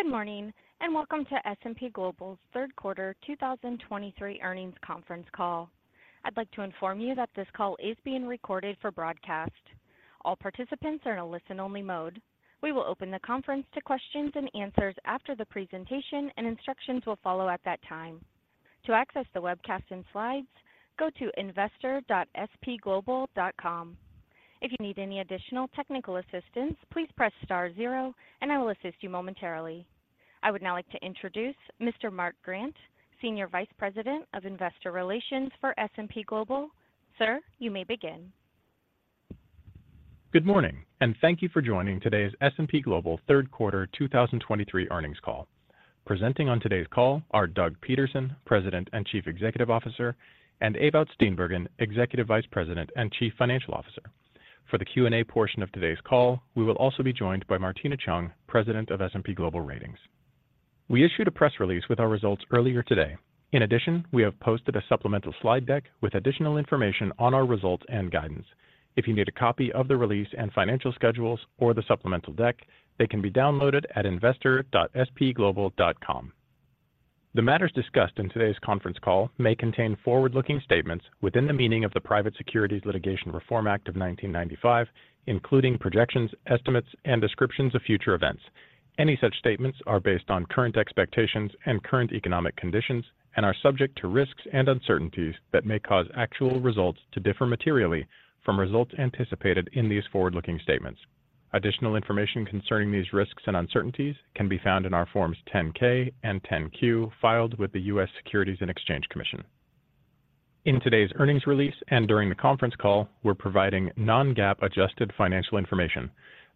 Good morning, and welcome to S&P Global's third quarter 2023 earnings conference call. I'd like to inform you that this call is being recorded for broadcast. All participants are in a listen-only mode. We will open the conference to questions and answers after the presentation, and instructions will follow at that time. To access the webcast and slides, go to investor.spglobal.com. If you need any additional technical assistance, please press star zero, and I will assist you momentarily. I would now like to introduce Mr. Mark Grant, Senior Vice President of Investor Relations for S&P Global. Sir, you may begin. Good morning, and thank you for joining today's S&P Global third quarter 2023 earnings call. Presenting on today's call are Doug Peterson, President and Chief Executive Officer, and Ewout Steenbergen, Executive Vice President and Chief Financial Officer. For the Q&A portion of today's call, we will also be joined by Martina Cheung, President of S&P Global Ratings. We issued a press release with our results earlier today. In addition, we have posted a supplemental slide deck with additional information on our results and guidance. If you need a copy of the release and financial schedules or the supplemental deck, they can be downloaded at investor.spglobal.com. The matters discussed in today's conference call may contain forward-looking statements within the meaning of the Private Securities Litigation Reform Act of 1995, including projections, estimates, and descriptions of future events. Any such statements are based on current expectations and current economic conditions and are subject to risks and uncertainties that may cause actual results to differ materially from results anticipated in these forward-looking statements. Additional information concerning these risks and uncertainties can be found in our Forms 10-K and 10-Q, filed with the U.S. Securities and Exchange Commission. In today's earnings release and during the conference call, we're providing non-GAAP adjusted financial information.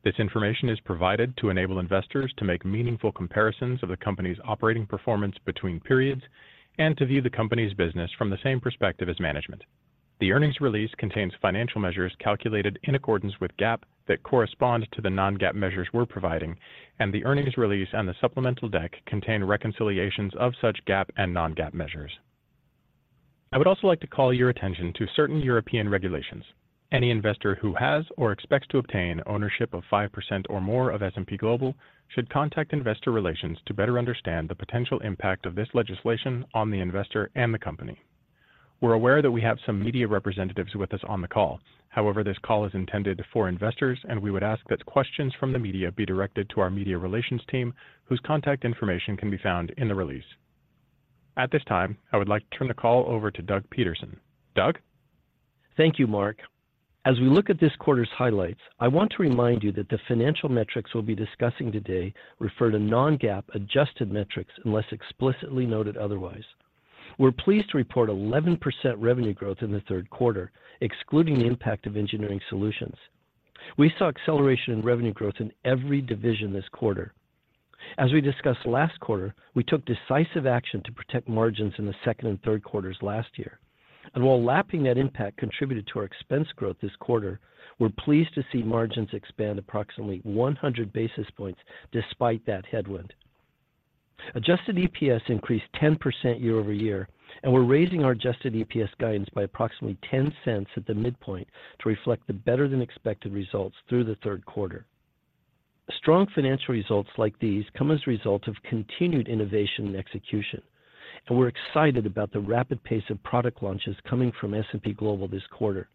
This information is provided to enable investors to make meaningful comparisons of the company's operating performance between periods and to view the company's business from the same perspective as management. The earnings release contains financial measures calculated in accordance with GAAP that correspond to the non-GAAP measures we're providing, and the earnings release and the supplemental deck contain reconciliations of such GAAP and non-GAAP measures. I would also like to call your attention to certain European regulations. Any investor who has or expects to obtain ownership of 5% or more of S&P Global should contact Investor Relations to better understand the potential impact of this legislation on the investor and the company. We're aware that we have some media representatives with us on the call. However, this call is intended for investors, and we would ask that questions from the media be directed to our Media Relations team, whose contact information can be found in the release. At this time, I would like to turn the call over to Doug Peterson. Doug? Thank you, Mark. As we look at this quarter's highlights, I want to remind you that the financial metrics we'll be discussing today refer to non-GAAP adjusted metrics, unless explicitly noted otherwise. We're pleased to report 11% revenue growth in the third quarter, excluding the impact of Engineering Solutions. We saw acceleration in revenue growth in every division this quarter. As we discussed last quarter, we took decisive action to protect margins in the second and third quarters last year. And while lapping that impact contributed to our expense growth this quarter, we're pleased to see margins expand approximately 100 basis points despite that headwind. Adjusted EPS increased 10% year-over-year, and we're raising our adjusted EPS guidance by approximately $0.10 at the midpoint to reflect the better-than-expected results through the third quarter. Strong financial results like these come as a result of continued innovation and execution, and we're excited about the rapid pace of product launches coming from S&P Global this quarter.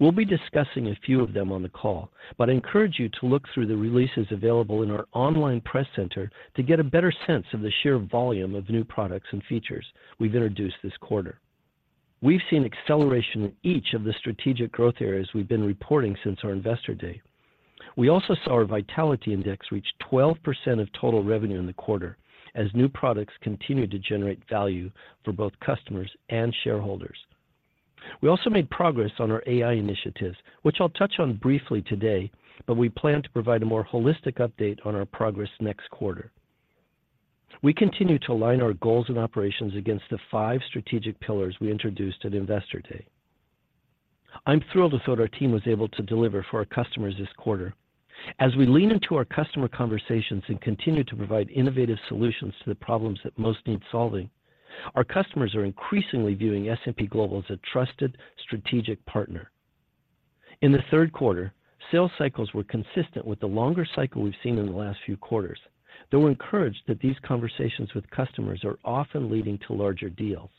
We'll be discussing a few of them on the call, but I encourage you to look through the releases available in our online press center to get a better sense of the sheer volume of new products and features we've introduced this quarter. We've seen acceleration in each of the strategic growth areas we've been reporting since our Investor Day. We also saw our Vitality Index reach 12% of total revenue in the quarter as new products continued to generate value for both customers and shareholders. We also made progress on our AI initiatives, which I'll touch on briefly today, but we plan to provide a more holistic update on our progress next quarter. We continue to align our goals and operations against the five strategic pillars we introduced at Investor Day. I'm thrilled with what our team was able to deliver for our customers this quarter. As we lean into our customer conversations and continue to provide innovative solutions to the problems that most need solving, our customers are increasingly viewing S&P Global as a trusted strategic partner. In the third quarter, sales cycles were consistent with the longer cycle we've seen in the last few quarters, though we're encouraged that these conversations with customers are often leading to larger deals.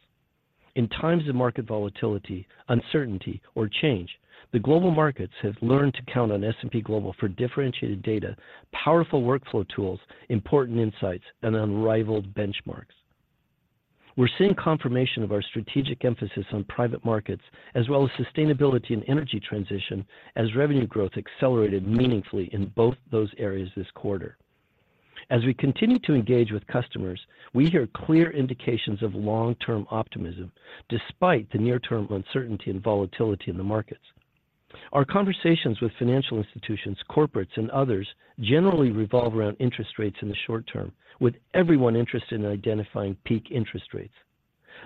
In times of market volatility, uncertainty, or change, the global markets have learned to count on S&P Global for differentiated data, powerful workflow tools, important insights, and unrivaled benchmarks. We're seeing confirmation of our strategic emphasis on private markets, as well as sustainability and energy transition, as revenue growth accelerated meaningfully in both those areas this quarter. As we continue to engage with customers, we hear clear indications of long-term optimism, despite the near-term uncertainty and volatility in the markets. Our conversations with financial institutions, corporates, and others generally revolve around interest rates in the short term, with everyone interested in identifying peak interest rates.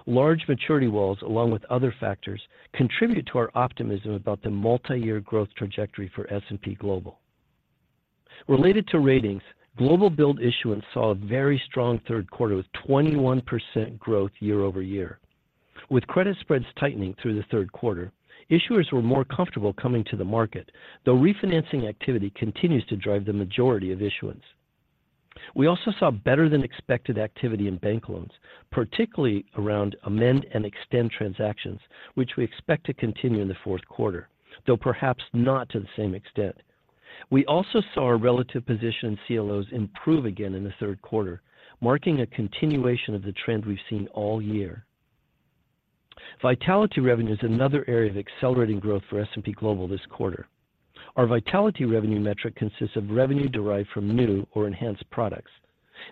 Large maturity walls, along with other factors, contribute to our optimism about the multi-year growth trajectory for S&P Global. Related to Ratings, Global Bond Issuance saw a very strong third quarter with 21% growth year-over-year. With credit spreads tightening through the third quarter, issuers were more comfortable coming to the market, though refinancing activity continues to drive the majority of issuance. We also saw better-than-expected activity in bank loans, particularly around amend and extend transactions, which we expect to continue in the fourth quarter, though perhaps not to the same extent. We also saw our relative position in CLOs improve again in the third quarter, marking a continuation of the trend we've seen all year. Vitality revenue is another area of accelerating growth for S&P Global this quarter. Our vitality revenue metric consists of revenue derived from new or enhanced products.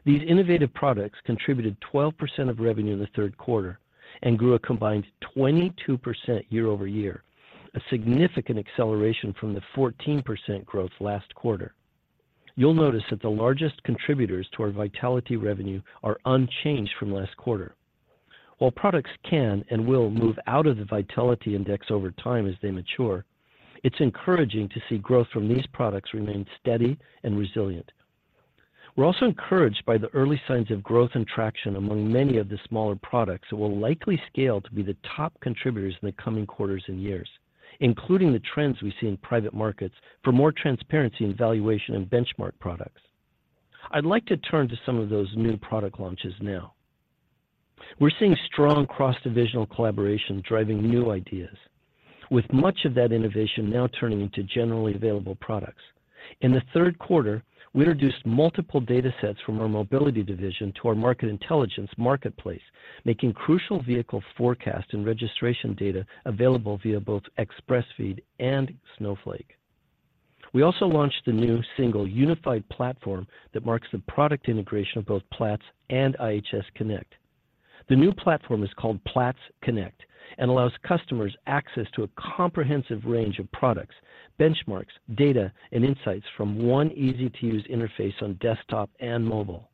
These innovative products contributed 12% of revenue in the third quarter and grew a combined 22% year-over-year, a significant acceleration from the 14% growth last quarter. You'll notice that the largest contributors to our vitality revenue are unchanged from last quarter. While products can and will move out of the Vitality Index over time as they mature, it's encouraging to see growth from these products remain steady and resilient. We're also encouraged by the early signs of growth and traction among many of the smaller products that will likely scale to be the top contributors in the coming quarters and years, including the trends we see in private markets for more transparency in valuation and benchmark products. I'd like to turn to some of those new product launches now. We're seeing strong cross-divisional collaboration driving new ideas, with much of that innovation now turning into generally available products. In the third quarter, we introduced multiple data sets from our Mobility division to our Market Intelligence Marketplace, making crucial vehicle forecast and registration data available via both Express Feed and Snowflake. We also launched a new single unified platform that marks the product integration of both Platts and IHS Connect. The new platform is called Platts Connect and allows customers access to a comprehensive range of products, benchmarks, data, and insights from one easy-to-use interface on desktop and mobile.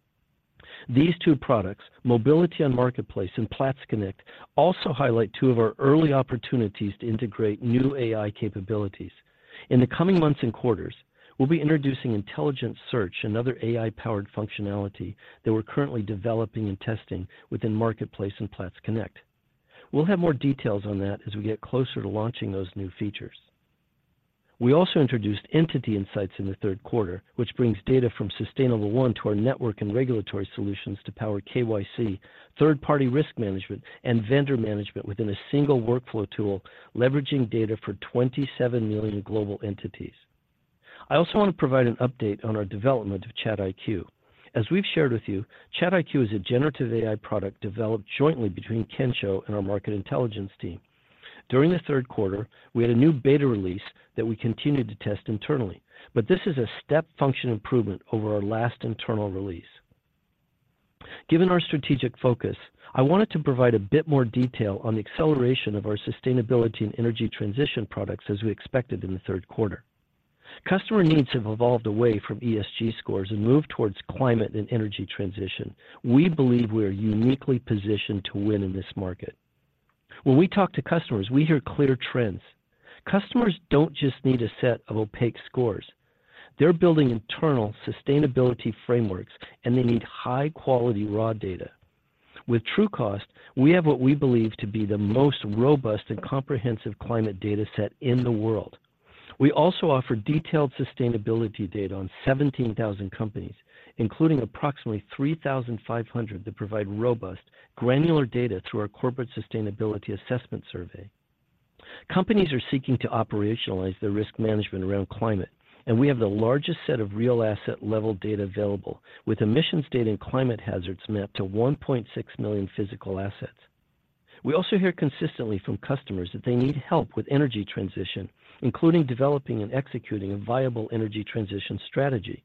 These two products, Mobility on Marketplace and Platts Connect, also highlight two of our early opportunities to integrate new AI capabilities. In the coming months and quarters, we'll be introducing intelligent search and other AI-powered functionality that we're currently developing and testing within Marketplace and Platts Connect. We'll have more details on that as we get closer to launching those new features. We also introduced Entity Insights in the third quarter, which brings data from Sustainable1 to our network and regulatory solutions to power KYC, third-party risk management, and vendor management within a single workflow tool, leveraging data for 27 million global entities. I also want to provide an update on our development of ChatIQ. As we've shared with you, ChatIQ is a generative AI product developed jointly between Kensho and our Market Intelligence team. During the third quarter, we had a new beta release that we continued to test internally, but this is a step function improvement over our last internal release. Given our strategic focus, I wanted to provide a bit more detail on the acceleration of our sustainability and energy transition products as we expected in the third quarter. Customer needs have evolved away from ESG scores and moved towards climate and energy transition. We believe we are uniquely positioned to win in this market. When we talk to customers, we hear clear trends. Customers don't just need a set of opaque scores. They're building internal sustainability frameworks, and they need high-quality raw data. With Trucost, we have what we believe to be the most robust and comprehensive climate data set in the world. We also offer detailed sustainability data on 17,000 companies, including approximately 3,500 that provide robust, granular data through our Corporate Sustainability Assessment Survey. Companies are seeking to operationalize their risk management around climate, and we have the largest set of real asset-level data available, with emissions data and climate hazards mapped to 1.6 million physical assets. We also hear consistently from customers that they need help with energy transition, including developing and executing a viable energy transition strategy.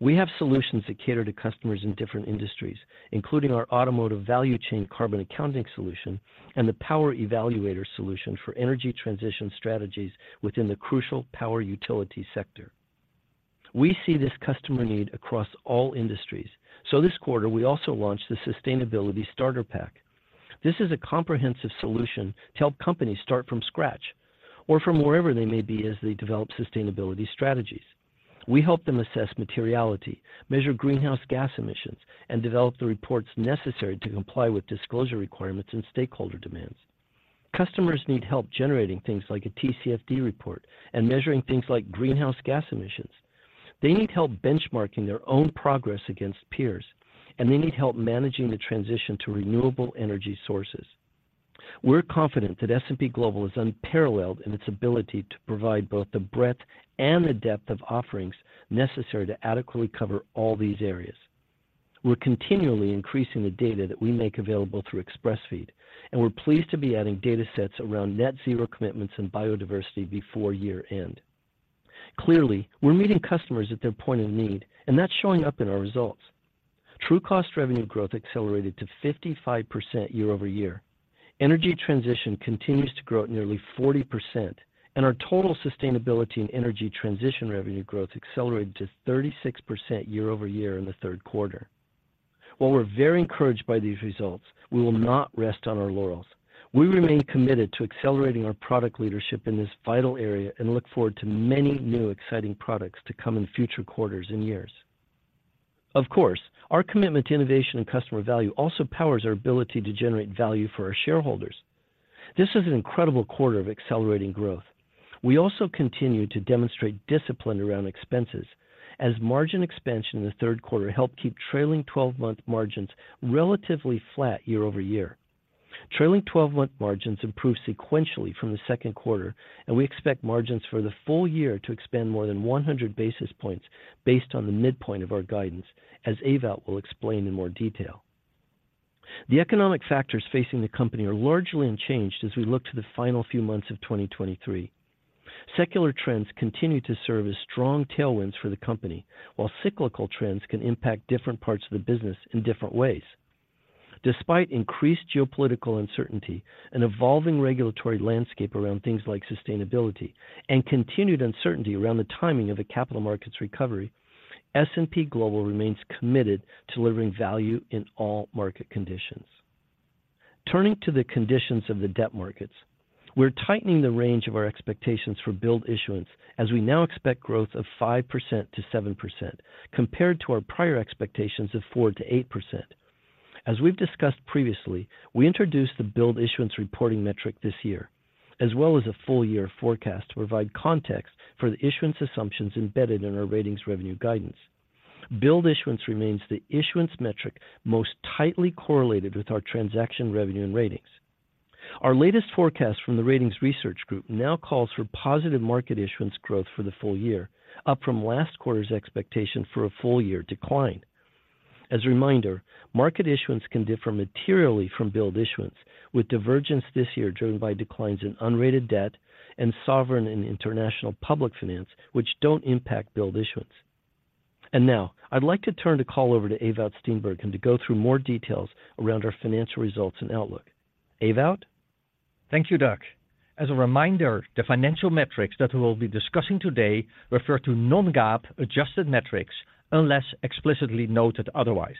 We have solutions that cater to customers in different industries, including our Automotive Value Chain Carbon Accounting solution and the PowerEvaluator solution for energy transition strategies within the crucial power utility sector. We see this customer need across all industries, so this quarter, we also launched the Sustainability Starter Pack. This is a comprehensive solution to help companies start from scratch or from wherever they may be as they develop sustainability strategies. We help them assess materiality, measure greenhouse gas emissions, and develop the reports necessary to comply with disclosure requirements and stakeholder demands. Customers need help generating things like a TCFD Report and measuring things like greenhouse gas emissions. They need help benchmarking their own progress against peers, and they need help managing the transition to renewable energy sources. We're confident that S&P Global is unparalleled in its ability to provide both the breadth and the depth of offerings necessary to adequately cover all these areas. We're continually increasing the data that we make available through Express Feed, and we're pleased to be adding data sets around net zero commitments and biodiversity before year-end. Clearly, we're meeting customers at their point of need, and that's showing up in our results. Trucost revenue growth accelerated to 55% year-over-year. Energy transition continues to grow at nearly 40%, and our total sustainability and energy transition revenue growth accelerated to 36% year-over-year in the third quarter. While we're very encouraged by these results, we will not rest on our laurels. We remain committed to accelerating our product leadership in this vital area and look forward to many new exciting products to come in future quarters and years. Of course, our commitment to innovation and customer value also powers our ability to generate value for our shareholders. This is an incredible quarter of accelerating growth. We also continue to demonstrate discipline around expenses, as margin expansion in the third quarter helped keep trailing twelve-month margins relatively flat year-over-year. Trailing twelve-month margins improved sequentially from the second quarter, and we expect margins for the full year to expand more than 100 basis points based on the midpoint of our guidance, as Ewout will explain in more detail. The economic factors facing the company are largely unchanged as we look to the final few months of 2023. Secular trends continue to serve as strong tailwinds for the company, while cyclical trends can impact different parts of the business in different ways. Despite increased geopolitical uncertainty and evolving regulatory landscape around things like sustainability and continued uncertainty around the timing of the capital markets recovery, S&P Global remains committed to delivering value in all market conditions. Turning to the conditions of the debt markets, we're tightening the range of our expectations for billed issuance, as we now expect growth of 5%-7%, compared to our prior expectations of 4%-8%. As we've discussed previously, we introduced the billed issuance reporting metric this year, as well as a full year forecast to provide context for the issuance assumptions embedded in our Ratings revenue guidance. Billed issuance remains the issuance metric most tightly correlated with our transaction revenue and Ratings. Our latest forecast from the Ratings Research Group now calls for positive market issuance growth for the full year, up from last quarter's expectation for a full year decline. As a reminder, market issuance can differ materially from build issuance, with divergence this year driven by declines in unrated debt and sovereign and international public finance, which don't impact build issuance. And now, I'd like to turn the call over to Ewout Steenbergen to go through more details around our financial results and outlook. Ewout? Thank you, Doug. As a reminder, the financial metrics that we will be discussing today refer to non-GAAP adjusted metrics unless explicitly noted otherwise.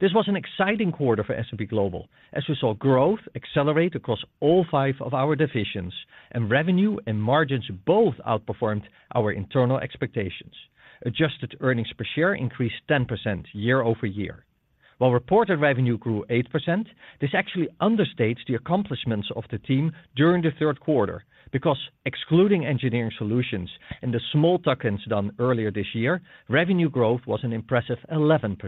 This was an exciting quarter for S&P Global as we saw growth accelerate across all five of our divisions, and revenue and margins both outperformed our internal expectations. Adjusted earnings per share increased 10% year-over-year, while reported revenue grew 8%. This actually understates the accomplishments of the team during the third quarter, because excluding Engineering Solutions and the small tuck-ins done earlier this year, revenue growth was an impressive 11%.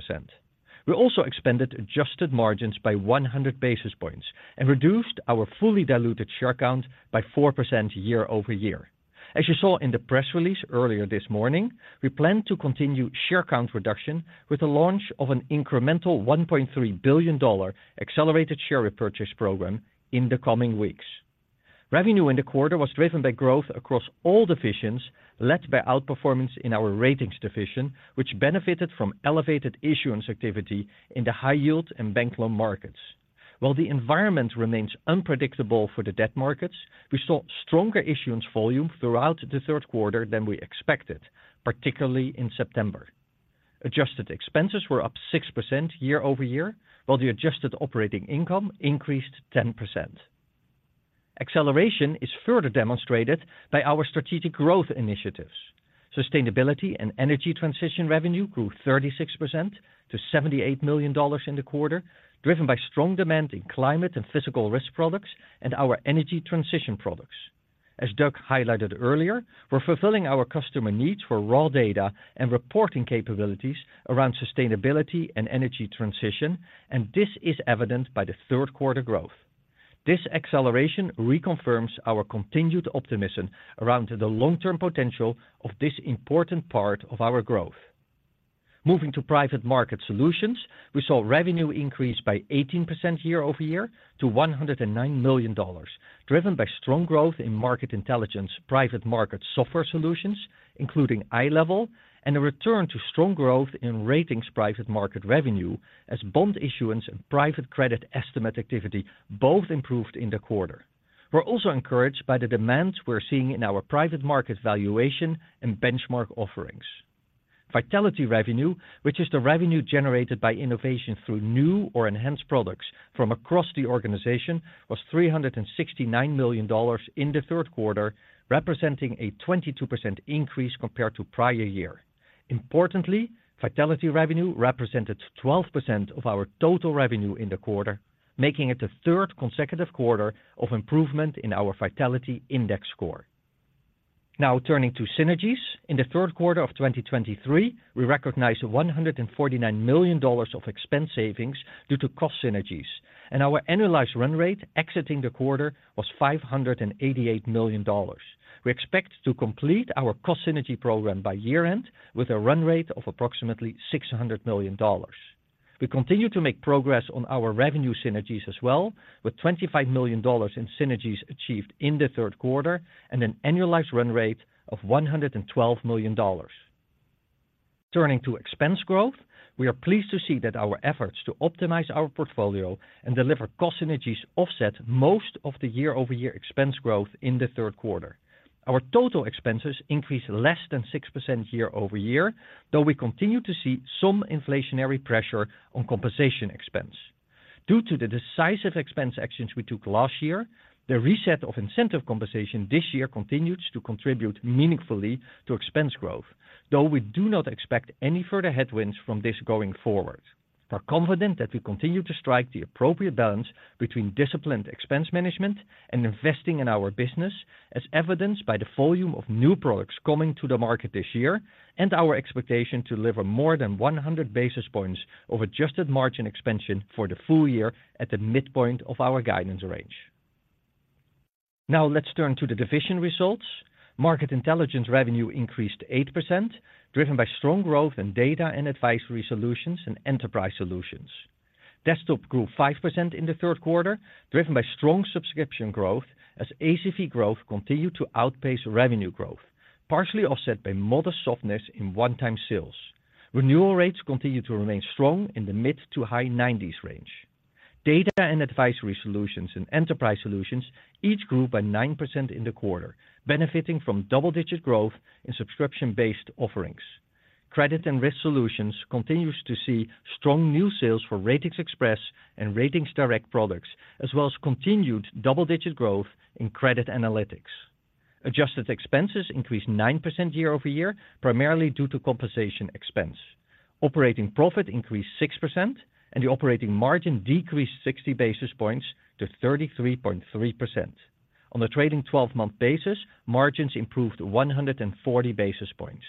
We also expanded adjusted margins by 100 basis points and reduced our fully diluted share count by 4% year-over-year. As you saw in the press release earlier this morning, we plan to continue share count reduction with the launch of an incremental $1.3 billion accelerated share repurchase program in the coming weeks. Revenue in the quarter was driven by growth across all divisions, led by outperformance in our Ratings division, which benefited from elevated issuance activity in the high yield and bank loan markets. While the environment remains unpredictable for the debt markets, we saw stronger issuance volume throughout the third quarter than we expected, particularly in September. Adjusted expenses were up 6% year-over-year, while the adjusted operating income increased 10%. Acceleration is further demonstrated by our strategic growth initiatives. Sustainability and energy transition revenue grew 36% to $78 million in the quarter, driven by strong demand in climate and physical risk products and our energy transition products. As Doug highlighted earlier, we're fulfilling our customer needs for raw data and reporting capabilities around sustainability and energy transition, and this is evidenced by the third quarter growth. This acceleration reconfirms our continued optimism around the long-term potential of this important part of our growth. Moving to private market solutions, we saw revenue increase by 18% year-over-year to $109 million, driven by strong growth in Market Intelligence, private market software solutions, including iLEVEL, and a return to strong growth in Ratings private market revenue as bond issuance and private credit estimate activity both improved in the quarter. We're also encouraged by the demand we're seeing in our private market valuation and benchmark offerings. Vitality revenue, which is the revenue generated by innovation through new or enhanced products from across the organization, was $369 million in the third quarter, representing a 22% increase compared to prior year. Importantly, Vitality revenue represented 12% of our total revenue in the quarter, making it the third consecutive quarter of improvement in our Vitality Index score. Now, turning to synergies. In the third quarter of 2023, we recognized $149 million of expense savings due to cost synergies, and our annualized run rate exiting the quarter was $588 million. We expect to complete our cost synergy program by year-end with a run rate of approximately $600 million. We continue to make progress on our revenue synergies as well, with $25 million in synergies achieved in the third quarter and an annualized run rate of $112 million. Turning to expense growth, we are pleased to see that our efforts to optimize our portfolio and deliver cost synergies offset most of the year-over-year expense growth in the third quarter. Our total expenses increased less than 6% year-over-year, though we continue to see some inflationary pressure on compensation expense. Due to the decisive expense actions we took last year, the reset of incentive compensation this year continues to contribute meaningfully to expense growth, though we do not expect any further headwinds from this going forward. We're confident that we continue to strike the appropriate balance between disciplined expense management and investing in our business, as evidenced by the volume of new products coming to the market this year, and our expectation to deliver more than 100 basis points of adjusted margin expansion for the full year at the midpoint of our guidance range. Now let's turn to the division results. Market Intelligence revenue increased 8%, driven by strong growth in data and advisory solutions and enterprise solutions. Desktop grew 5% in the third quarter, driven by strong subscription growth as ACV growth continued to outpace revenue growth, partially offset by modest softness in one-time sales. Renewal rates continued to remain strong in the mid- to high-90s range. Data and advisory solutions and enterprise solutions each grew by 9% in the quarter, benefiting from double-digit growth in subscription-based offerings. Credit and Risk Solutions continues to see strong new sales for Ratings Express and Ratings Direct products, as well as continued double-digit growth in Credit Analytics. Adjusted expenses increased 9% year-over-year, primarily due to compensation expense. Operating profit increased 6%, and the operating margin decreased 60 basis points to 33.3%. On a trailing twelve-month basis, margins improved 140 basis points.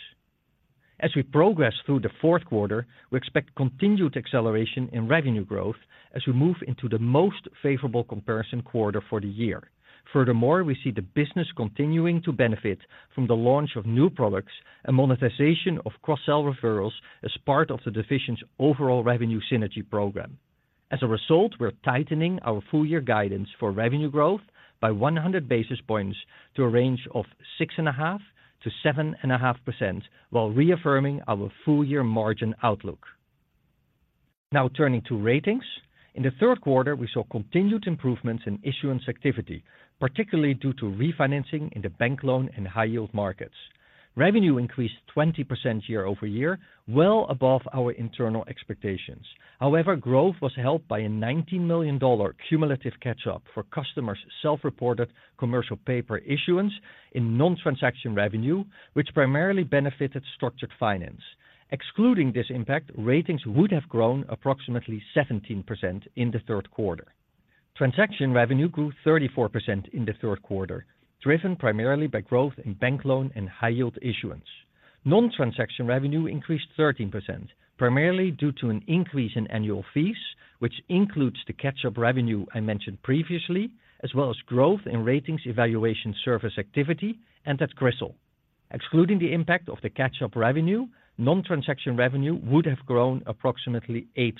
As we progress through the fourth quarter, we expect continued acceleration in revenue growth as we move into the most favorable comparison quarter for the year. Furthermore, we see the business continuing to benefit from the launch of new products and monetization of cross-sell referrals as part of the division's overall revenue synergy program. As a result, we're tightening our full-year guidance for revenue growth by 100 basis points to a range of 6.5%-7.5%, while reaffirming our full-year margin outlook. Now turning to Ratings. In the third quarter, we saw continued improvements in issuance activity, particularly due to refinancing in the bank loan and high-yield markets. Revenue increased 20% year-over-year, well above our internal expectations. However, growth was helped by a $19 million cumulative catch-up for customers' self-reported commercial paper issuance in non-transaction revenue, which primarily benefited structured finance. Excluding this impact, Ratings would have grown approximately 17% in the third quarter. Transaction revenue grew 34% in the third quarter, driven primarily by growth in bank loan and high-yield issuance. Non-transaction revenue increased 13%, primarily due to an increase in annual fees, which includes the catch-up revenue I mentioned previously, as well as growth in Ratings evaluation service activity and at CRISIL. Excluding the impact of the catch-up revenue, non-transaction revenue would have grown approximately 8%.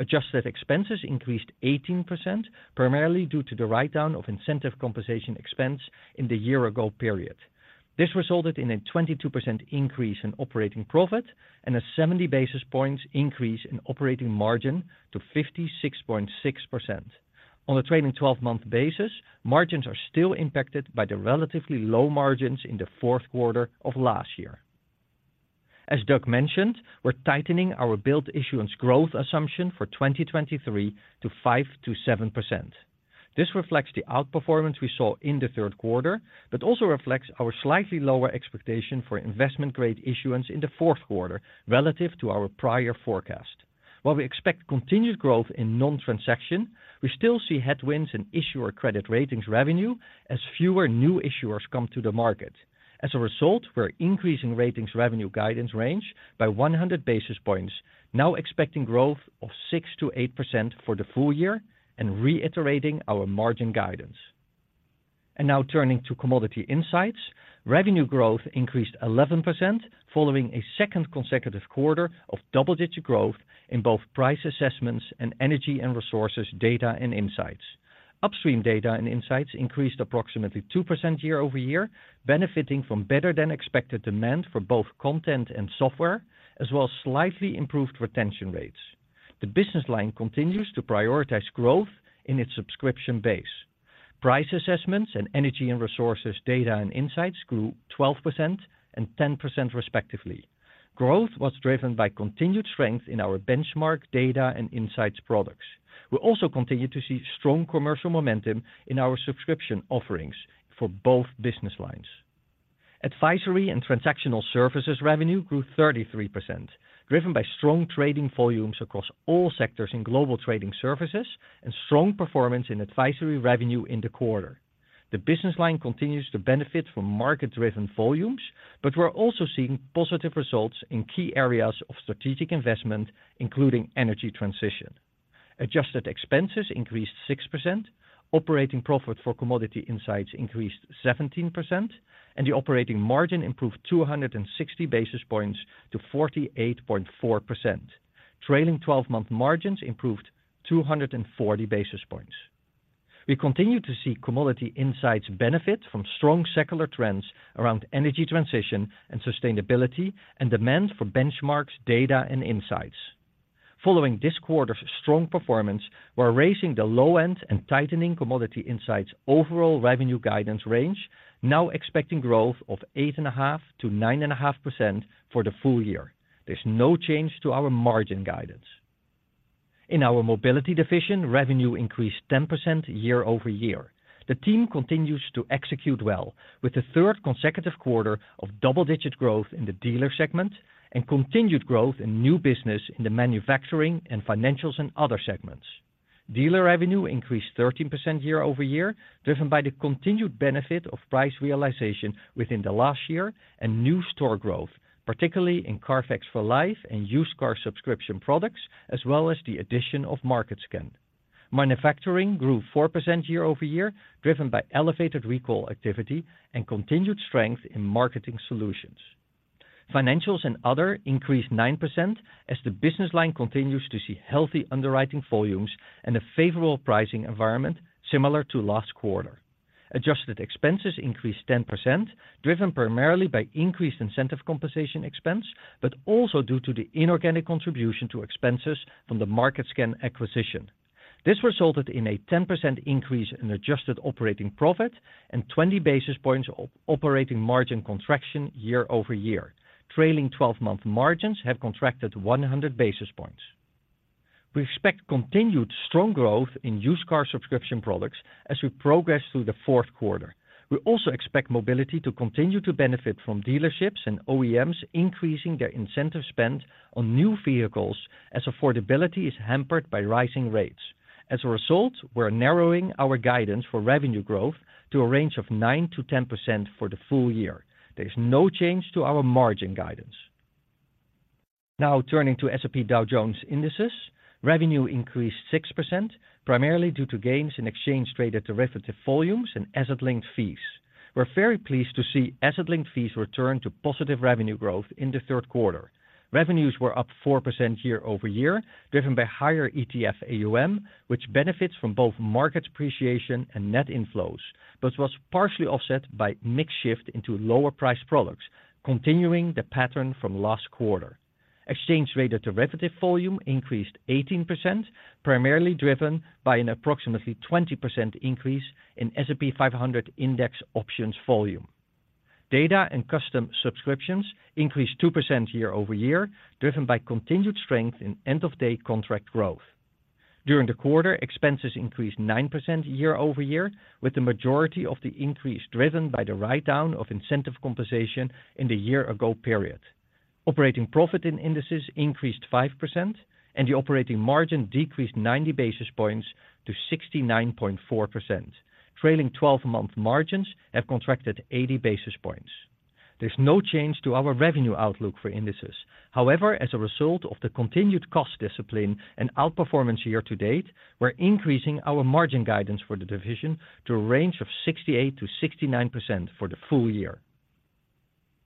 Adjusted expenses increased 18%, primarily due to the write-down of incentive compensation expense in the year ago period. This resulted in a 22% increase in operating profit and a 70 basis points increase in operating margin to 56.6%. On a trailing twelve-month basis, margins are still impacted by the relatively low margins in the fourth quarter of last year. As Doug mentioned, we're tightening our billed issuance growth assumption for 2023 to 5%-7%. This reflects the outperformance we saw in the third quarter, but also reflects our slightly lower expectation for investment-grade issuance in the fourth quarter relative to our prior forecast. While we expect continued growth in non-transaction, we still see headwinds in issuer credit Ratings revenue as fewer new issuers come to the market. As a result, we're increasing Ratings revenue guidance range by 100 basis points, now expecting growth of 6%-8% for the full year and reiterating our margin guidance. Now turning to Commodity Insights. Revenue growth increased 11%, following a second consecutive quarter of double-digit growth in both price assessments and energy and resources data and insights. Upstream data and insights increased approximately 2% year-over-year, benefiting from better than expected demand for both content and software, as well as slightly improved retention rates. The business line continues to prioritize growth in its subscription base. Price assessments and energy and resources, data and insights grew 12% and 10%, respectively. Growth was driven by continued strength in our benchmark data and insights products. We also continued to see strong commercial momentum in our subscription offerings for both business lines. Advisory and transactional services revenue grew 33%, driven by strong trading volumes across all sectors in global trading services and strong performance in advisory revenue in the quarter. The business line continues to benefit from market-driven volumes, but we're also seeing positive results in key areas of strategic investment, including energy transition. Adjusted expenses increased 6%, operating profit for Commodity Insights increased 17%, and the operating margin improved 260 basis points to 48.4%. Trailing 12-month margins improved 240 basis points. We continue to see Commodity Insights benefit from strong secular trends around energy transition and sustainability, and demand for benchmarks, data, and insights. Following this quarter's strong performance, we're raising the low end and tightening Commodity Insights overall revenue guidance range, now expecting growth of 8.5%-9.5% for the full year. There's no change to our margin guidance. In our Mobility division, revenue increased 10% year-over-year. The team continues to execute well, with the third consecutive quarter of double-digit growth in the Dealer segment and continued growth in new business in the manufacturing and financials and other segments. Dealer revenue increased 13% year-over-year, driven by the continued benefit of price realization within the last year and new store growth, particularly in Carfax for Life and used car subscription products, as well as the addition of MarketScan. Manufacturing grew 4% year-over-year, driven by elevated recall activity and continued strength in marketing solutions. Financials and other increased 9% as the business line continues to see healthy underwriting volumes and a favorable pricing environment, similar to last quarter. Adjusted expenses increased 10%, driven primarily by increased incentive compensation expense, but also due to the inorganic contribution to expenses from the MarketScan acquisition. This resulted in a 10% increase in adjusted operating profit and 20 basis points of operating margin contraction year-over-year. Trailing-twelve-month margins have contracted 100 basis points. We expect continued strong growth in used car subscription products as we progress through the fourth quarter. We also expect Mobility to continue to benefit from Dealerships and OEMs, increasing their incentive spend on new vehicles as affordability is hampered by rising rates. As a result, we're narrowing our guidance for revenue growth to a range of 9%-10% for the full year. There's no change to our margin guidance. Now, turning to S&P Dow Jones Indices, revenue increased 6%, primarily due to gains in exchange-traded derivative volumes and asset-linked fees. We're very pleased to see asset-linked fees return to positive revenue growth in the third quarter. Revenues were up 4% year-over-year, driven by higher ETF AUM, which benefits from both market appreciation and net inflows, but was partially offset by mix shift into lower-priced products, continuing the pattern from last quarter. Exchange-traded derivative volume increased 18%, primarily driven by an approximately 20% increase in S&P 500 index options volume. Data and custom subscriptions increased 2% year-over-year, driven by continued strength in end-of-day contract growth. During the quarter, expenses increased 9% year-over-year, with the majority of the increase driven by the write-down of incentive compensation in the year-ago period. Operating profit in Indices increased 5%, and the operating margin decreased 90 basis points to 69.4%. Trailing-twelve-month margins have contracted 80 basis points. There's no change to our revenue outlook for Indices. However, as a result of the continued cost discipline and outperformance year-to-date, we're increasing our margin guidance for the division to a range of 68%-69% for the full year.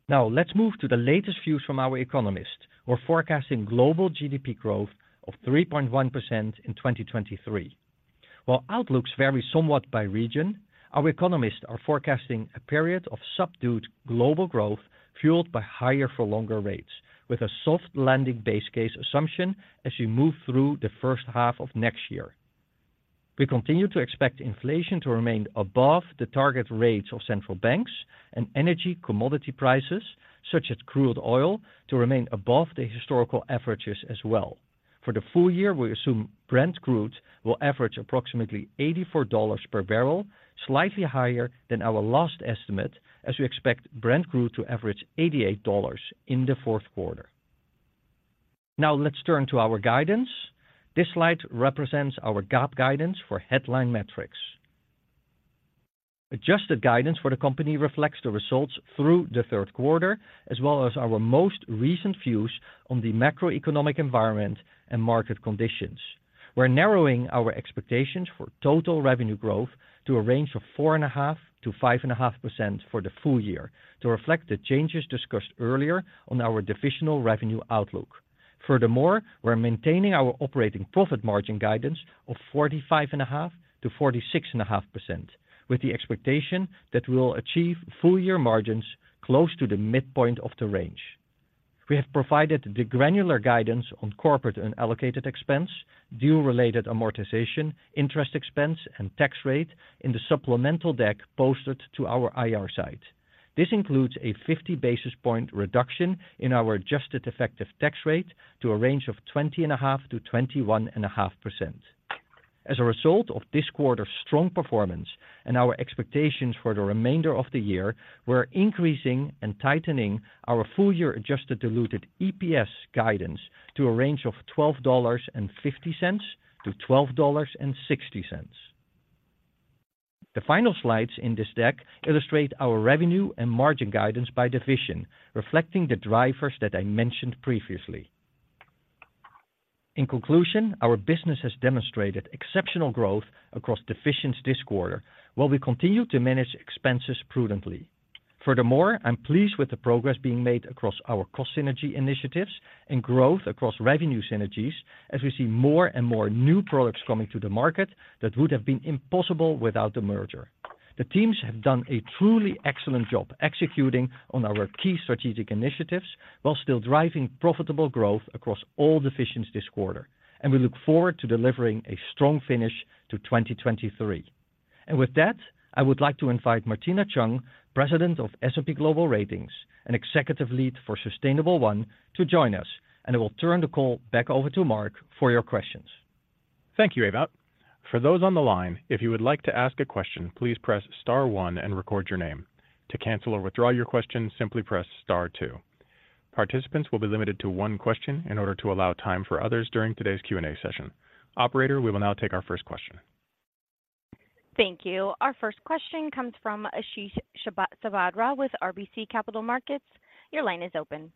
Now, let's move to the latest views from our economists. We're forecasting global GDP growth of 3.1% in 2023. While outlooks vary somewhat by region, our economists are forecasting a period of subdued global growth, fueled by higher-for-longer rates, with a soft landing base case assumption as we move through the first half of next year. We continue to expect inflation to remain above the target rates of central banks and energy commodity prices, such as crude oil, to remain above the historical averages as well. For the full year, we assume Brent crude will average approximately $84 per barrel, slightly higher than our last estimate, as we expect Brent crude to average $88 in the fourth quarter. Now, let's turn to our guidance. This slide represents our GAAP guidance for headline metrics. Adjusted guidance for the company reflects the results through the third quarter, as well as our most recent views on the macroeconomic environment and market conditions. We're narrowing our expectations for total revenue growth to a range of 4.5%-5.5% for the full year to reflect the changes discussed earlier on our divisional revenue outlook. Furthermore, we're maintaining our operating profit margin guidance of 45.5%-46.5%, with the expectation that we'll achieve full-year margins close to the midpoint of the range. We have provided the granular guidance on corporate unallocated expense, deal-related amortization, interest expense, and tax rate in the supplemental deck posted to our IR site. This includes a 50 basis point reduction in our adjusted effective tax rate to a range of 20.5%-21.5%. As a result of this quarter's strong performance and our expectations for the remainder of the year, we're increasing and tightening our full-year adjusted diluted EPS guidance to a range of $12.50-$12.60. The final slides in this deck illustrate our revenue and margin guidance by division, reflecting the drivers that I mentioned previously. In conclusion, our business has demonstrated exceptional growth across divisions this quarter, while we continue to manage expenses prudently. Furthermore, I'm pleased with the progress being made across our cost synergy initiatives and growth across revenue synergies as we see more and more new products coming to the market that would have been impossible without the merger. The teams have done a truly excellent job executing on our key strategic initiatives while still driving profitable growth across all divisions this quarter, and we look forward to delivering a strong finish to 2023. With that, I would like to invite Martina Cheung, President of S&P Global Ratings and Executive Lead for Sustainable1, to join us, and I will turn the call back over to Mark for your questions. Thank you, Ewout. For those on the line, if you would like to ask a question, please press star one and record your name. To cancel or withdraw your question, simply press star two. Participants will be limited to one question in order to allow time for others during today's Q&A session. Operator, we will now take our first question. Thank you. Our first question comes from Ashish Sabadra with RBC Capital Markets. Your line is open.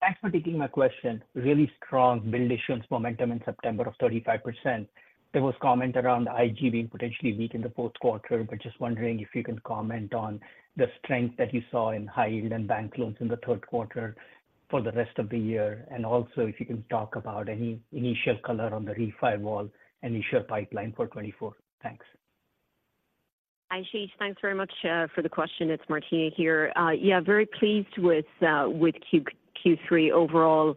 Thanks for taking my question. Really strong billed issuance momentum in September of 35%. There was comment around IG being potentially weak in the fourth quarter, but just wondering if you can comment on the strength that you saw in high yield and bank loans in the third quarter for the rest of the year, and also if you can talk about any initial color on the refi wall and initial pipeline for 2024. Thanks. Hi, Ashish. Thanks very much for the question. It's Martina here. Yeah, very pleased with Q3 overall.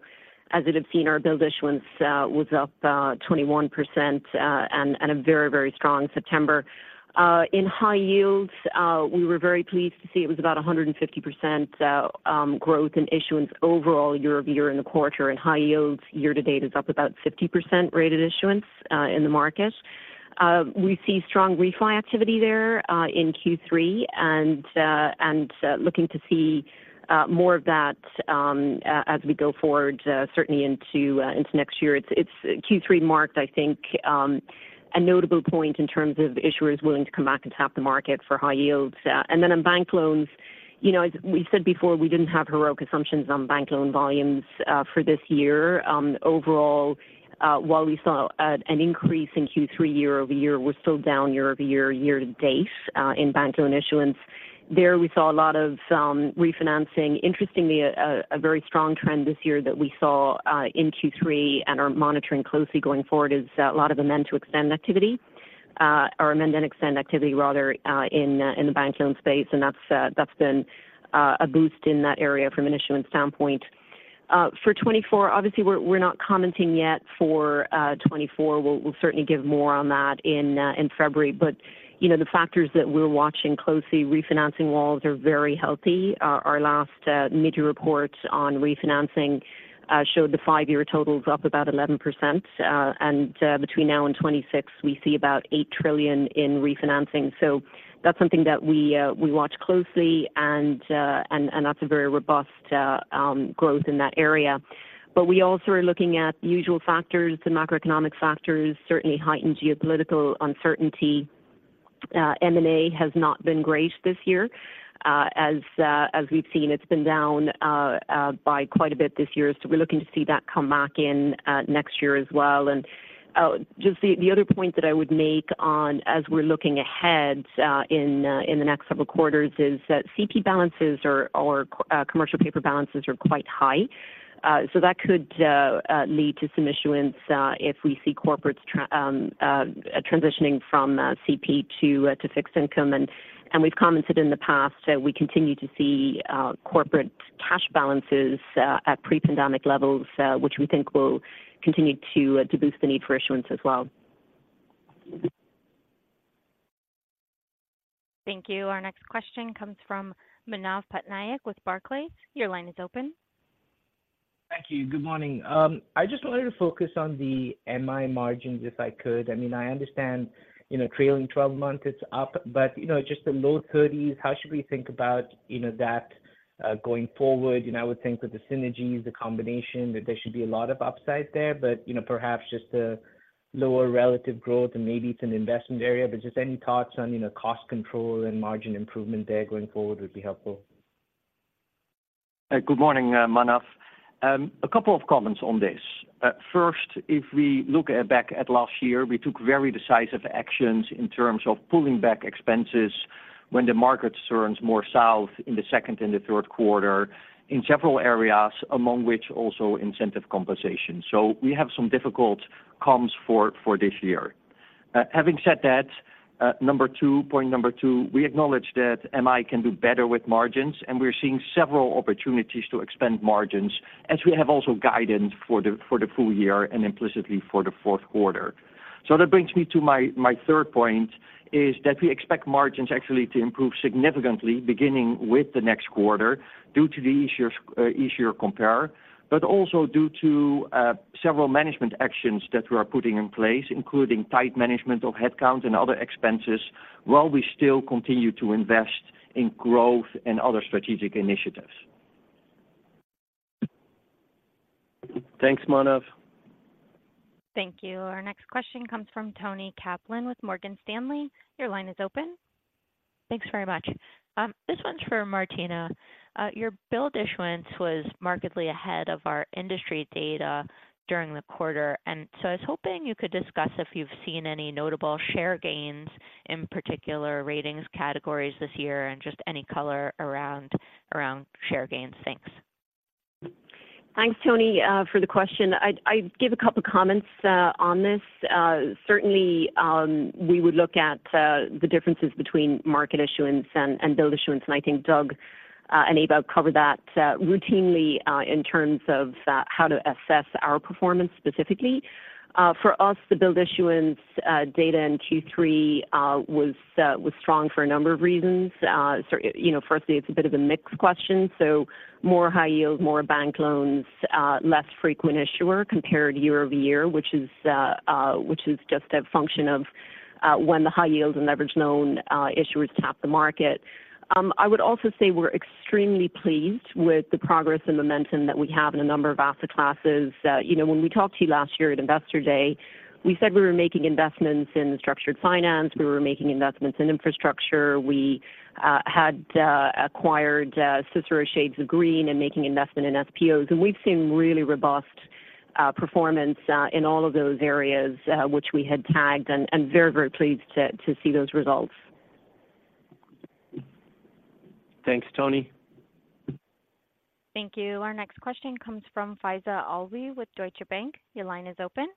As you have seen, our billed issuance was up 21%, and a very, very strong September. In high yields, we were very pleased to see it was about 150% growth in issuance overall, year-over-year in the quarter. In high yields, year to date is up about 50% rated issuance in the market. We see strong refi activity there in Q3 and looking to see more of that as we go forward, certainly into next year. It's Q3 marked, I think, a notable point in terms of issuers willing to come back and tap the market for high yields. And then on bank loans, you know, as we said before, we didn't have heroic assumptions on bank loan volumes for this year. Overall, while we saw an increase in Q3 year-over-year, we're still down year-over-year year to date in bank loan issuance. There we saw a lot of refinancing. Interestingly, a very strong trend this year that we saw in Q3 and are monitoring closely going forward is a lot of amend to extend activity, or amend and extend activity rather, in the bank loan space, and that's been a boost in that area from an issuance standpoint. For 2024, obviously, we're not commenting yet for 2024. We'll certainly give more on that in February. But, you know, the factors that we're watching closely, refinancing walls are very healthy. Our last mid-year report on refinancing showed the five-year totals up about 11%, and between now and 2026, we see about $8 trillion in refinancing. So that's something that we watch closely, and that's a very robust growth in that area. But we also are looking at usual factors, the macroeconomic factors, certainly heightened geopolitical uncertainty. M&A has not been great this year. As we've seen, it's been down by quite a bit this year, so we're looking to see that come back in next year as well. Just the other point that I would make on as we're looking ahead in the next several quarters is that CP balances or commercial paper balances are quite high. So that could lead to some issuance if we see corporates transitioning from CP to fixed income. And we've commented in the past that we continue to see corporate cash balances at pre-pandemic levels, which we think will continue to boost the need for issuance as well. Thank you. Our next question comes from Manav Patnaik with Barclays. Your line is open. Thank you. Good morning. I just wanted to focus on the MI margins, if I could. I mean, I understand, you know, trailing twelve months, it's up, but, you know, just the low thirties, how should we think about, you know, that going forward? You know, I would think with the synergies, the combination, that there should be a lot of upside there, but, you know, perhaps just a lower relative growth, and maybe it's an investment area. But just any thoughts on, you know, cost control and margin improvement there going forward would be helpful. Good morning, Manav. A couple of comments on this. First, if we look back at last year, we took very decisive actions in terms of pulling back expenses when the market turns more south in the second and the third quarter in several areas, among which also incentive compensation. So we have some difficult comps for this year. Having said that, number two, point number two, we acknowledge that MI can do better with margins, and we're seeing several opportunities to expand margins, as we have also guided for the full year and implicitly for the fourth quarter. So that brings me to my third point, is that we expect margins actually to improve significantly, beginning with the next quarter, due to the easier compare, but also due to several management actions that we are putting in place, including tight management of headcount and other expenses, while we still continue to invest in growth and other strategic initiatives. Thanks, Manav. Thank you. Our next question comes from Toni Kaplan with Morgan Stanley. Your line is open. Thanks very much. This one's for Martina. Your billed issuance was markedly ahead of our industry data during the quarter, and so I was hoping you could discuss if you've seen any notable share gains, in particular, Ratings categories this year, and just any color around share gains. Thanks. Thanks, Toni, for the question. I'd give a couple of comments on this. Certainly, we would look at the differences between market issuance and billed issuance, and I think Doug and Eva covered that routinely in terms of how to assess our performance specifically. For us, the billed issuance data in Q3 was strong for a number of reasons. So, you know, firstly, it's a bit of a mixed question, so more high yield, more bank loans, less frequent issuer compared year-over-year, which is just a function of when the high yield and leveraged loan issuers tap the market. I would also say we're extremely pleased with the progress and momentum that we have in a number of asset classes. You know, when we talked to you last year at Investor Day, we said we were making investments in structured finance, we were making investments in infrastructure. We had acquired CICERO Shades of Green and making investment in SPOs. And we've seen really robust performance in all of those areas, which we had tagged, and, and very, very pleased to see those results. Thanks, Toni. Thank you. Our next question comes from Faiza Alwy with Deutsche Bank. Your line is open.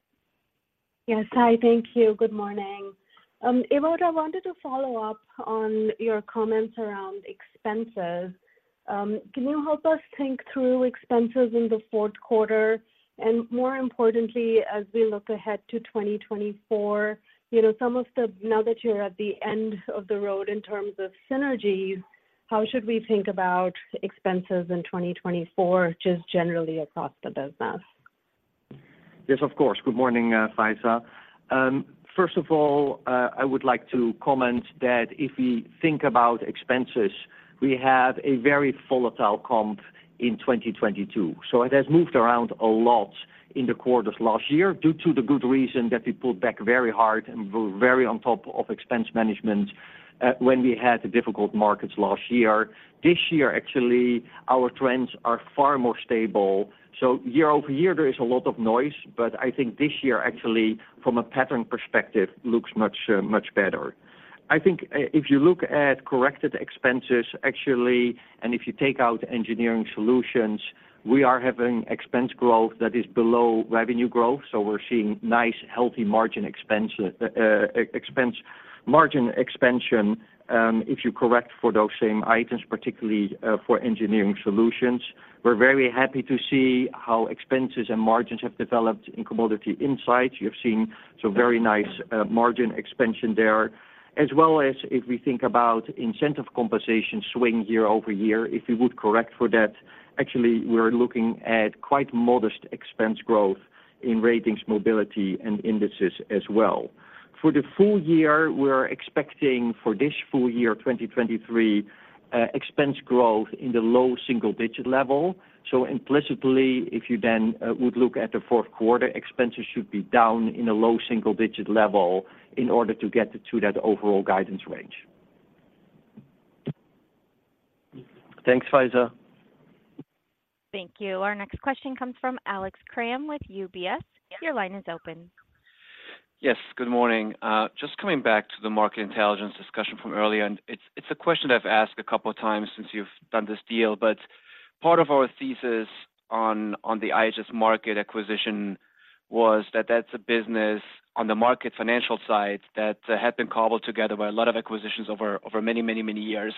Yes. Hi, thank you. Good morning. Ewout, I wanted to follow up on your comments around expenses. Can you help us think through expenses in the fourth quarter? And more importantly, as we look ahead to 2024, you know, some of the now that you're at the end of the road in terms of synergies, how should we think about expenses in 2024, just generally across the business? Yes, of course. Good morning, Faiza. First of all, I would like to comment that if we think about expenses, we have a very volatile comp in 2022. So it has moved around a lot in the quarters last year, due to the good reason that we pulled back very hard and were very on top of expense management, when we had the difficult markets last year. This year, actually, our trends are far more stable. So year-over-year, there is a lot of noise, but I think this year, actually, from a pattern perspective, looks much, much better. I think if you look at corrected expenses, actually, and if you take out engineering solutions, we are having expense growth that is below revenue growth, so we're seeing nice, healthy margin expansion, if you correct for those same items, particularly, for engineering solutions. We're very happy to see how expenses and margins have developed in Commodity Insights. You've seen some very nice, margin expansion there, as well as if we think about incentive compensation swing year over year. If we would correct for that, actually, we're looking at quite modest expense growth in Ratings, Mobility, and Indices as well. For the full year, we are expecting, for this full year, 2023, expense growth in the low single-digit level. So implicitly, if you then would look at the fourth quarter, expenses should be down in a low single digit level in order to get to that overall guidance range. Thanks, Faiza. Thank you. Our next question comes from Alex Kramm with UBS. Your line is open. Yes, good morning. Just coming back to the Market Intelligence discussion from earlier, and it's a question I've asked a couple of times since you've done this deal, but part of our thesis on the IHS Markit acquisition was that that's a business on the market financial side that had been cobbled together by a lot of acquisitions over many, many, many years.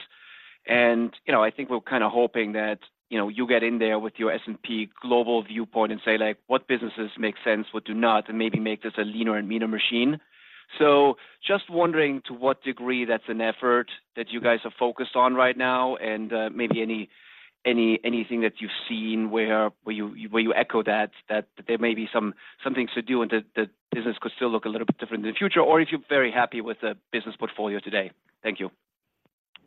You know, I think we're kind of hoping that you know, you get in there with your S&P Global viewpoint and say, like, what businesses make sense, what do not, and maybe make this a leaner and meaner machine. So just wondering to what degree that's an effort that you guys are focused on right now, and maybe anything that you've seen where you echo that there may be some things to do, and the business could still look a little bit different in the future, or if you're very happy with the business portfolio today?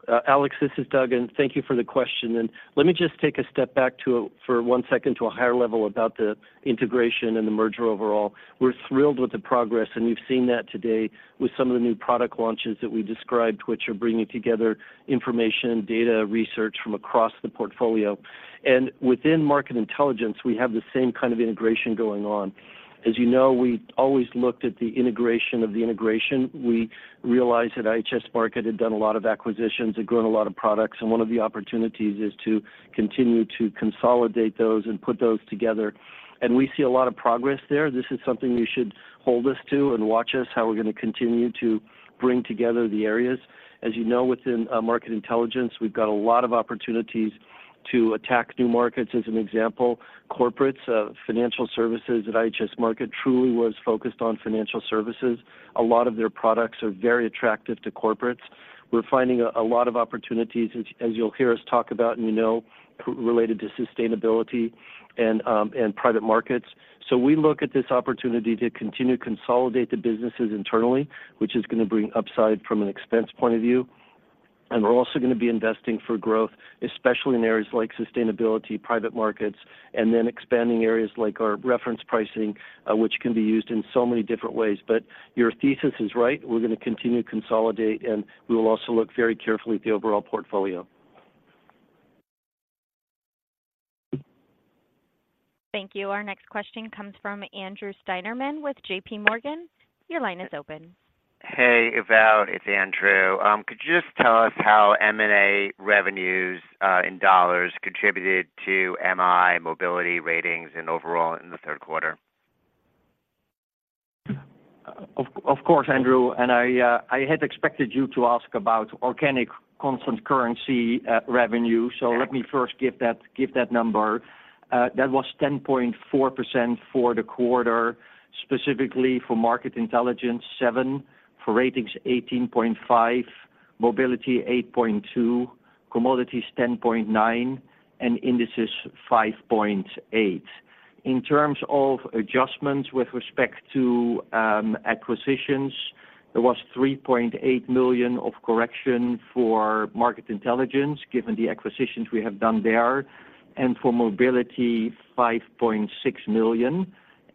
Thank you. Alex, this is Doug, and thank you for the question. Let me just take a step back, for one second, to a higher level about the integration and the merger overall. We're thrilled with the progress, and we've seen that today with some of the new product launches that we described, which are bringing together information, data, research from across the portfolio. Within Market Intelligence, we have the same kind of integration going on. As you know, we always looked at the integration of the integration. We realized that IHS Markit had done a lot of acquisitions and grown a lot of products, and one of the opportunities is to continue to consolidate those and put those together. We see a lot of progress there. This is something you should hold us to and watch us, how we're going to continue to bring together the areas. As you know, within Market Intelligence, we've got a lot of opportunities to attack new markets. As an example, corporates, financial services at IHS Markit truly was focused on financial services. A lot of their products are very attractive to corporates. We're finding a lot of opportunities, as you'll hear us talk about and you know, related to sustainability and private markets. So we look at this opportunity to continue to consolidate the businesses internally, which is going to bring upside from an expense point of view. We're also going to be investing for growth, especially in areas like sustainability, private markets, and then expanding areas like our reference pricing, which can be used in so many different ways. But your thesis is right. We're going to continue to consolidate, and we will also look very carefully at the overall portfolio. Thank you. Our next question comes from Andrew Steinerman with JP Morgan. Your line is open. Hey, Ewout, it's Andrew. Could you just tell us how M&A revenues in dollars contributed to MI, Mobility, Ratings, and overall in the third quarter? Of course, Andrew, and I had expected you to ask about organic constant currency revenue. So let me first give that number. That was 10.4% for the quarter, specifically for Market Intelligence, 7%, for Ratings, 18.5%, Mobility, 8.2%, commodities, 10.9%, and indices, 5.8%. In terms of adjustments with respect to acquisitions, there was $3.8 million of correction for Market Intelligence, given the acquisitions we have done there, and for Mobility, $5.6 million.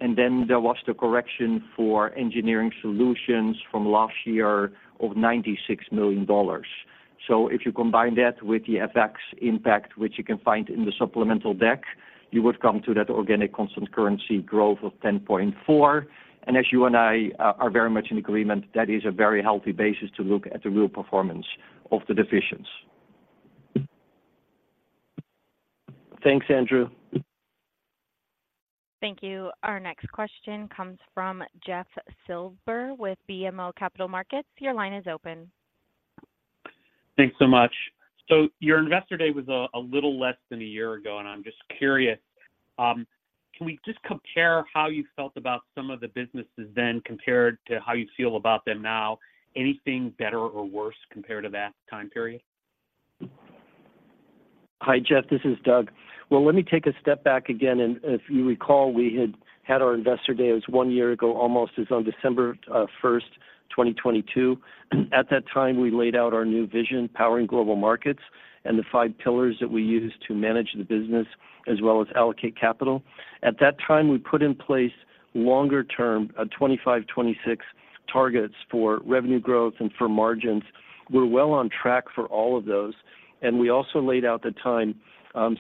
And then there was the correction for Engineering Solutions from last year of $96 million. So if you combine that with the FX impact, which you can find in the supplemental deck, you would come to that organic constant currency growth of 10.4%. As you and I are very much in agreement, that is a very healthy basis to look at the real performance of the divisions. Thanks, Andrew. Thank you. Our next question comes from Jeff Silber with BMO Capital Markets. Your line is open. Thanks so much. So your Investor Day was a little less than a year ago, and I'm just curious, can we just compare how you felt about some of the businesses then, compared to how you feel about them now? Anything better or worse compared to that time period? Hi, Jeff. This is Doug. Well, let me take a step back again, and if you recall, we had had our Investor Day. It was one year ago, almost. It was on 1st December, 2022. At that time, we laid out our new vision, powering global markets, and the five pillars that we use to manage the business as well as allocate capital. At that time, we put in place longer term 2025, 2026 targets for revenue growth and for margins. We're well on track for all of those. And we also laid out the time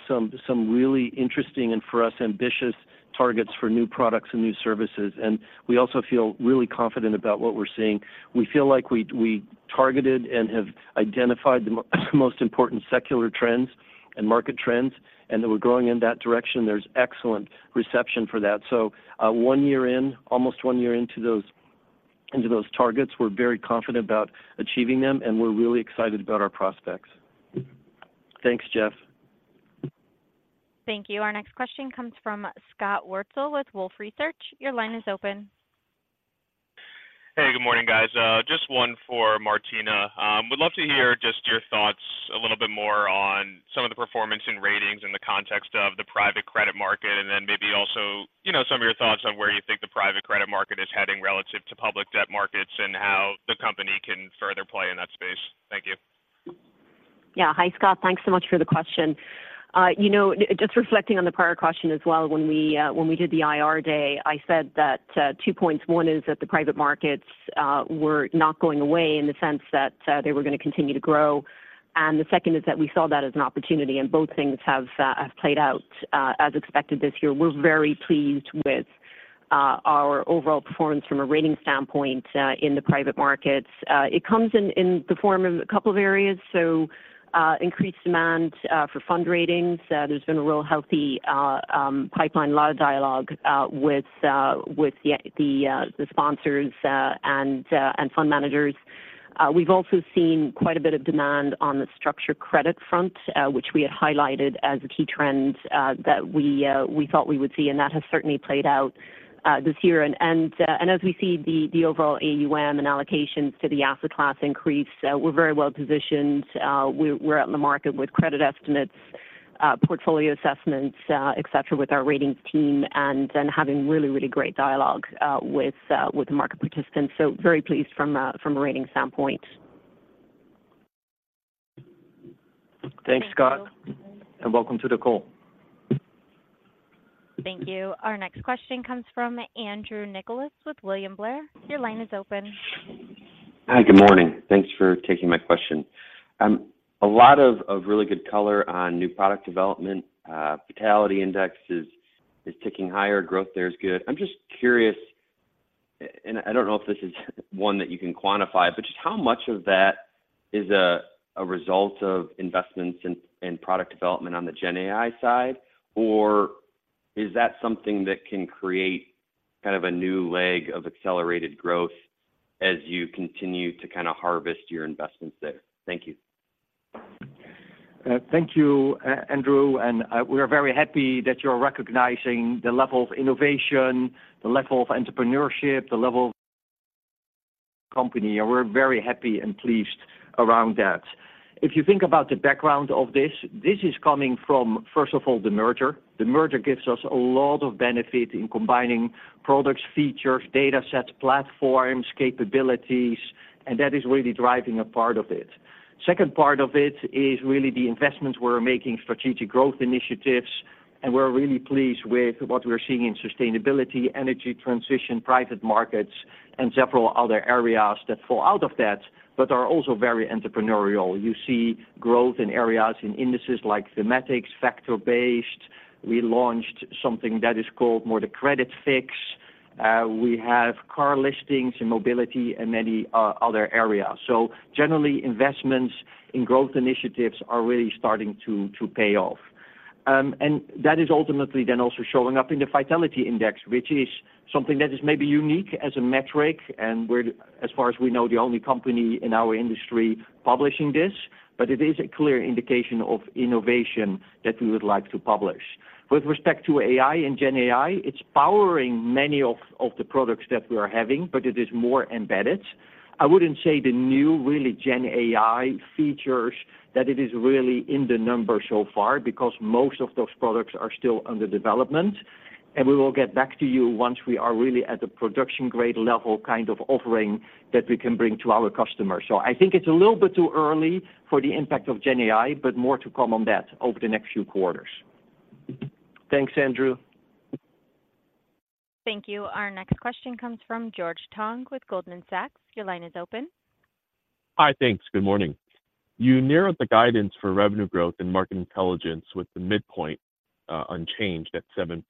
some really interesting and for us, ambitious targets for new products and new services. And we also feel really confident about what we're seeing. We feel like we targeted and have identified the most important secular trends and market trends, and that we're growing in that direction. There's excellent reception for that. So, one year in, almost one year into those, into those targets, we're very confident about achieving them, and we're really excited about our prospects. Thanks, Jeff. Thank you. Our next question comes from Scott Wurtzel with Wolfe Research. Your line is open. Hey, good morning, guys. Just one for Martina. Would love to hear just your thoughts a little bit more on some of the performance and Ratings in the context of the private credit market, and then maybe also, you know, some of your thoughts on where you think the private credit market is heading relative to public debt markets, and how the company can further play in that space. Thank you. Yeah. Hi, Scott. Thanks so much for the question. You know, just reflecting on the prior question as well, when we did the IR day, I said that two points. One is that the private markets were not going away in the sense that they were going to continue to grow. And the second is that we saw that as an opportunity, and both things have played out as expected this year. We're very pleased with our overall performance from a rating standpoint in the private markets. It comes in the form of a couple of areas, so increased demand for fund Ratings. There's been a real healthy pipeline, a lot of dialogue with the sponsors and fund managers. We've also seen quite a bit of demand on the structured credit front, which we had highlighted as a key trend that we thought we would see, and that has certainly played out this year. And as we see the overall AUM and allocations to the asset class increase, we're very well positioned. We're out in the market with credit estimates, portfolio assessments, et cetera, with our Ratings team, and then having really, really great dialogue with the market participants. So very pleased from a Ratings standpoint. Thanks, Scott, and welcome to the call. Thank you. Our next question comes from Andrew Nicholas with William Blair. Your line is open. Hi, good morning. Thanks for taking my question. A lot of really good color on new product development. Vitality Index is ticking higher, growth there is good. I'm just curious, and I don't know if this is one that you can quantify, but just how much of that is a result of investments in product development on the GenAI side? Or is that something that can create kind of a new leg of accelerated growth as you continue to kind of harvest your investments there? Thank you. Thank you, Andrew, and we are very happy that you're recognizing the level of innovation, the level of entrepreneurship, the level company, and we're very happy and pleased around that. If you think about the background of this, this is coming from, first of all, the merger. The merger gives us a lot of benefit in combining products, features, datasets, platforms, capabilities, and that is really driving a part of it. Second part of it is really the investments we're making, strategic growth initiatives, and we're really pleased with what we're seeing in sustainability, energy transition, private markets, and several other areas that fall out of that, but are also very entrepreneurial. You see growth in areas, in indices like thematics, factor-based. We launched something that is called more the Credit VIX. We have CARFAX listings and Mobility and many other areas. So generally, investments in growth initiatives are really starting to pay off... And that is ultimately then also showing up in the Vitality Index, which is something that is maybe unique as a metric, and we're, as far as we know, the only company in our industry publishing this, but it is a clear indication of innovation that we would like to publish. With respect to AI and Gen AI, it's powering many of the products that we are having, but it is more embedded. I wouldn't say the new, really Gen AI features, that it is really in the number so far, because most of those products are still under development, and we will get back to you once we are really at the production grade level, kind of offering that we can bring to our customers. I think it's a little bit too early for the impact of GenAI, but more to come on that over the next few quarters. Thanks, Andrew. Thank you. Our next question comes from George Tong with Goldman Sachs. Your line is open. Hi, thanks. Good morning. You narrowed the guidance for revenue growth and Market Intelligence with the midpoint unchanged at 7%.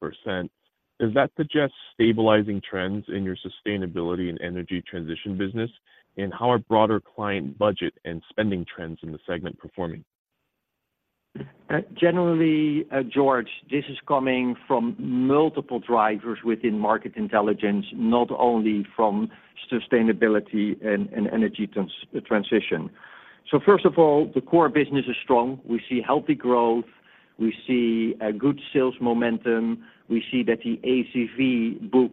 Does that suggest stabilizing trends in your sustainability and energy transition business? And how are broader client budget and spending trends in the segment performing? Generally, George, this is coming from multiple drivers within Market Intelligence, not only from sustainability and energy transition. So first of all, the core business is strong. We see healthy growth, we see a good sales momentum, we see that the ACV book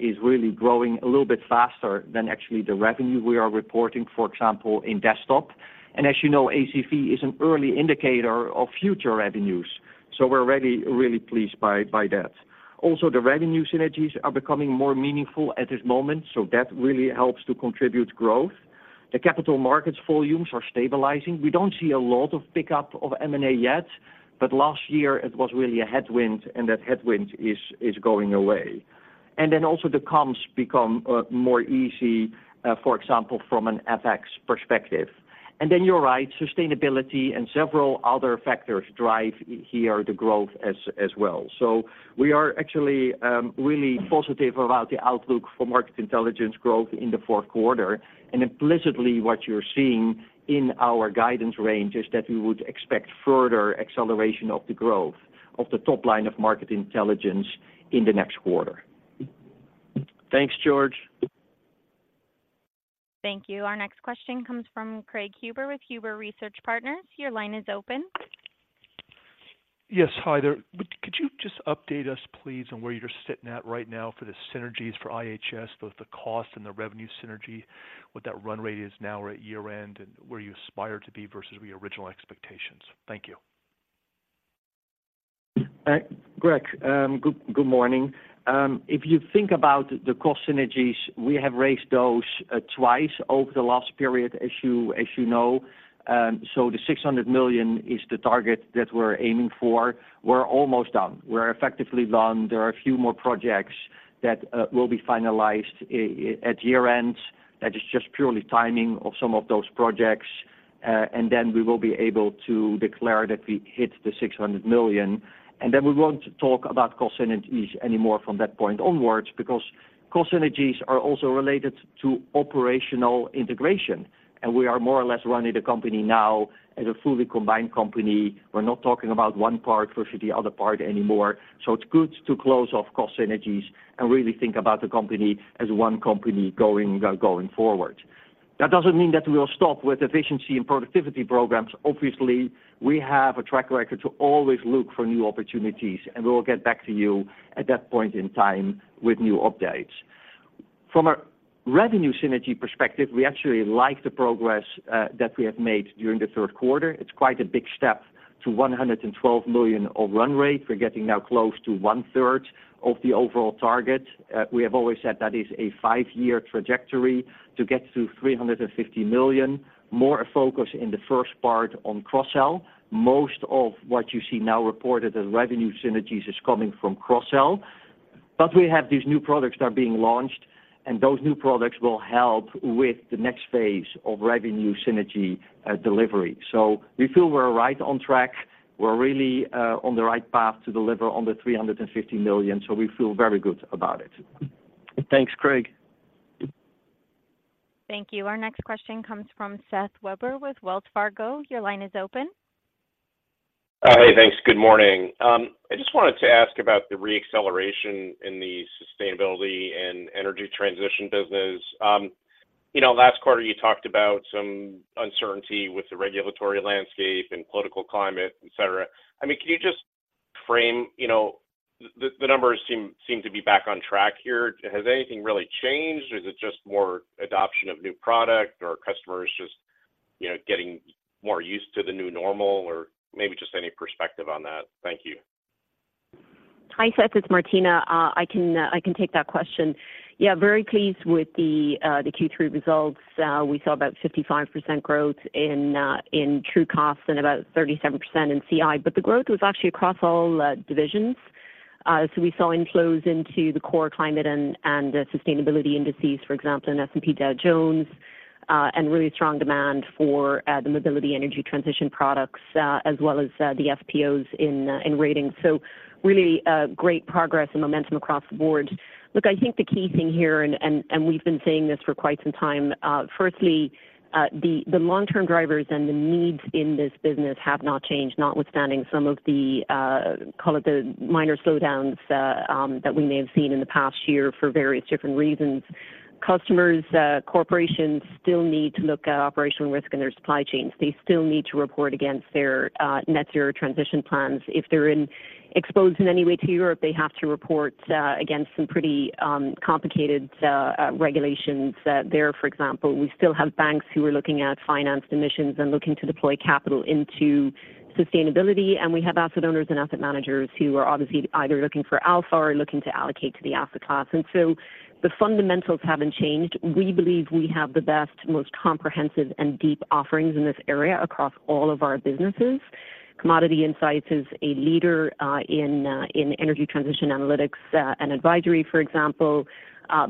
is really growing a little bit faster than actually the revenue we are reporting, for example, in desktop. And as you know, ACV is an early indicator of future revenues, so we're really, really pleased by that. Also, the revenue synergies are becoming more meaningful at this moment, so that really helps to contribute growth. The capital markets volumes are stabilizing. We don't see a lot of pickup of M&A yet, but last year it was really a headwind, and that headwind is going away. And then also the comps become more easy, for example, from an FX perspective. And then you're right, sustainability and several other factors drive here the growth as well. So we are actually really positive about the outlook for Market Intelligence growth in the fourth quarter, and implicitly, what you're seeing in our guidance range is that we would expect further acceleration of the growth of the top line of Market Intelligence in the next quarter. Thanks, George. Thank you. Our next question comes from Craig Huber with Huber Research Partners. Your line is open. Yes. Hi there. Could you just update us, please, on where you're sitting at right now for the synergies for IHS, both the cost and the revenue synergy, what that run rate is now or at year-end, and where you aspire to be versus the original expectations? Thank you. Graig, good morning. If you think about the cost synergies, we have raised those twice over the last period, as you know, so the $600 million is the target that we're aiming for. We're almost done. We're effectively done. There are a few more projects that will be finalized at year-end. That is just purely timing of some of those projects, and then we will be able to declare that we hit the $600 million. Then we won't talk about cost synergies anymore from that point onwards, because cost synergies are also related to operational integration, and we are more or less running the company now as a fully combined company. We're not talking about one part versus the other part anymore, so it's good to close off cost synergies and really think about the company as one company going, going forward. That doesn't mean that we will stop with efficiency and productivity programs. Obviously, we have a track record to always look for new opportunities, and we will get back to you at that point in time with new updates. From a revenue synergy perspective, we actually like the progress that we have made during the third quarter. It's quite a big step to $112 million of run rate. We're getting now close to one third of the overall target. We have always said that is a five-year trajectory to get to $350 million. More a focus in the first part on cross-sell. Most of what you see now reported as revenue synergies is coming from cross-sell. But we have these new products that are being launched, and those new products will help with the next phase of revenue synergy, delivery. So we feel we're right on track. We're really on the right path to deliver on the $350 million, so we feel very good about it. Thanks, Craig. Thank you. Our next question comes from Seth Weber with Wells Fargo. Your line is open. Hey, thanks. Good morning. I just wanted to ask about the re-acceleration in the sustainability and energy transition business. You know, last quarter, you talked about some uncertainty with the regulatory landscape and political climate, et cetera. I mean, can you just frame... You know, the numbers seem to be back on track here. Has anything really changed, or is it just more adoption of new product, or customers just, you know, getting more used to the new normal? Or maybe just any perspective on that. Thank you. Hi, Seth, it's Martina. I can take that question. Yeah, very pleased with the Q3 results. We saw about 55% growth in Trucost and about 37% in CI, but the growth was actually across all divisions. So we saw inflows into the core climate and sustainability indices, for example, in S&P Dow Jones. And really strong demand for the Mobility energy transition products, as well as the SPOs in Ratings. So really great progress and momentum across the board. Look, I think the key thing here, and we've been saying this for quite some time, firstly, the long-term drivers and the needs in this business have not changed, notwithstanding some of the, call it the minor slowdowns, that we may have seen in the past year for various different reasons. Customers, corporations still need to look at operational risk in their supply chains. They still need to report against their, net zero transition plans. If they're exposed in any way to Europe, they have to report against some pretty complicated regulations that are there, for example. We still have banks who are looking at financed emissions and looking to deploy capital into sustainability, and we have asset owners and asset managers who are obviously either looking for alpha or looking to allocate to the asset class. And so the fundamentals haven't changed. We believe we have the best, most comprehensive and deep offerings in this area across all of our businesses. Commodity Insights is a leader in energy transition analytics and advisory, for example.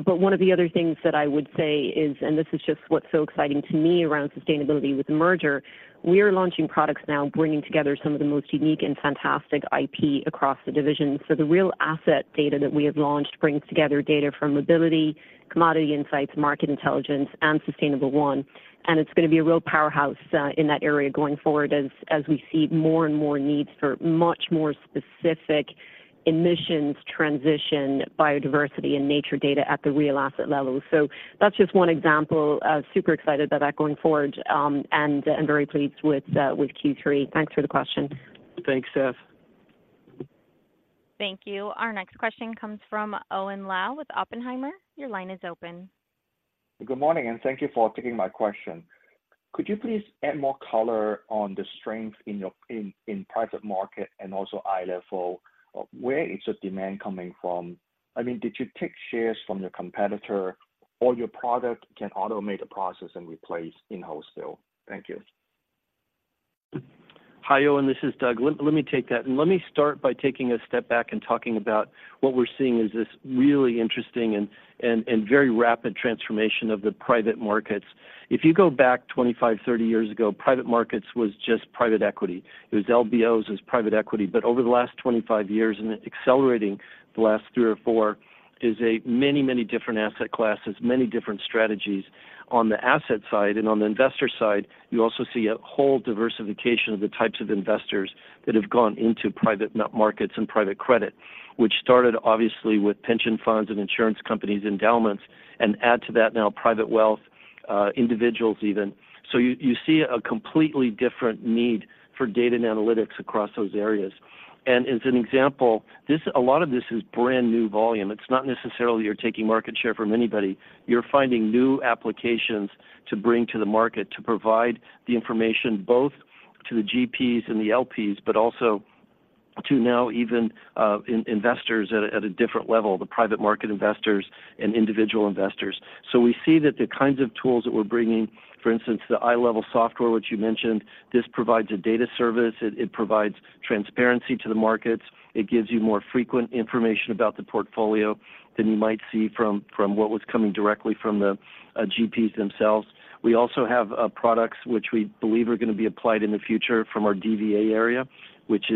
But one of the other things that I would say is, and this is just what's so exciting to me around sustainability with merger, we are launching products now, bringing together some of the most unique and fantastic IP across the division. So the real asset data that we have launched brings together data from Mobility, Commodity Insights, Market Intelligence, and Sustainable1, and it's going to be a real powerhouse in that area going forward as we see more and more needs for much more specific emissions transition, biodiversity and nature data at the real asset level. So that's just one example. Super excited about that going forward, and very pleased with Q3. Thanks for the question. Thanks, Seth. Thank you. Our next question comes from Owen Lau with Oppenheimer. Your line is open. Good morning, and thank you for taking my question. Could you please add more color on the strength in your private market and also iLEVEL? Where is the demand coming from? I mean, did you take shares from your competitor, or your product can automate a process and replace in-house sale? Thank you. Hi, Owen, this is Doug. Let me take that, and let me start by taking a step back and talking about what we're seeing is this really interesting and very rapid transformation of the private markets. If you go back 25, 30 years ago, private markets was just private equity. It was LBOs, it was private equity. But over the last 25 years, and accelerating the last three or four, is a many, many different asset classes, many different strategies on the asset side and on the investor side, you also see a whole diversification of the types of investors that have gone into private markets and private credit, which started obviously with pension funds and insurance companies, endowments, and add to that now private wealth, individuals even. So you see a completely different need for data and analytics across those areas. As an example, a lot of this is brand-new volume. It's not necessarily you're taking market share from anybody. You're finding new applications to bring to the market to provide the information both to the GPs and the LPs, but also to now even investors at a different level, the private market investors and individual investors. So we see that the kinds of tools that we're bringing, for instance, the iLEVEL software, which you mentioned, this provides a data service, it provides transparency to the markets. It gives you more frequent information about the portfolio than you might see from what was coming directly from the GPs themselves. We also have products which we believe are going to be applied in the future from our PVR area, which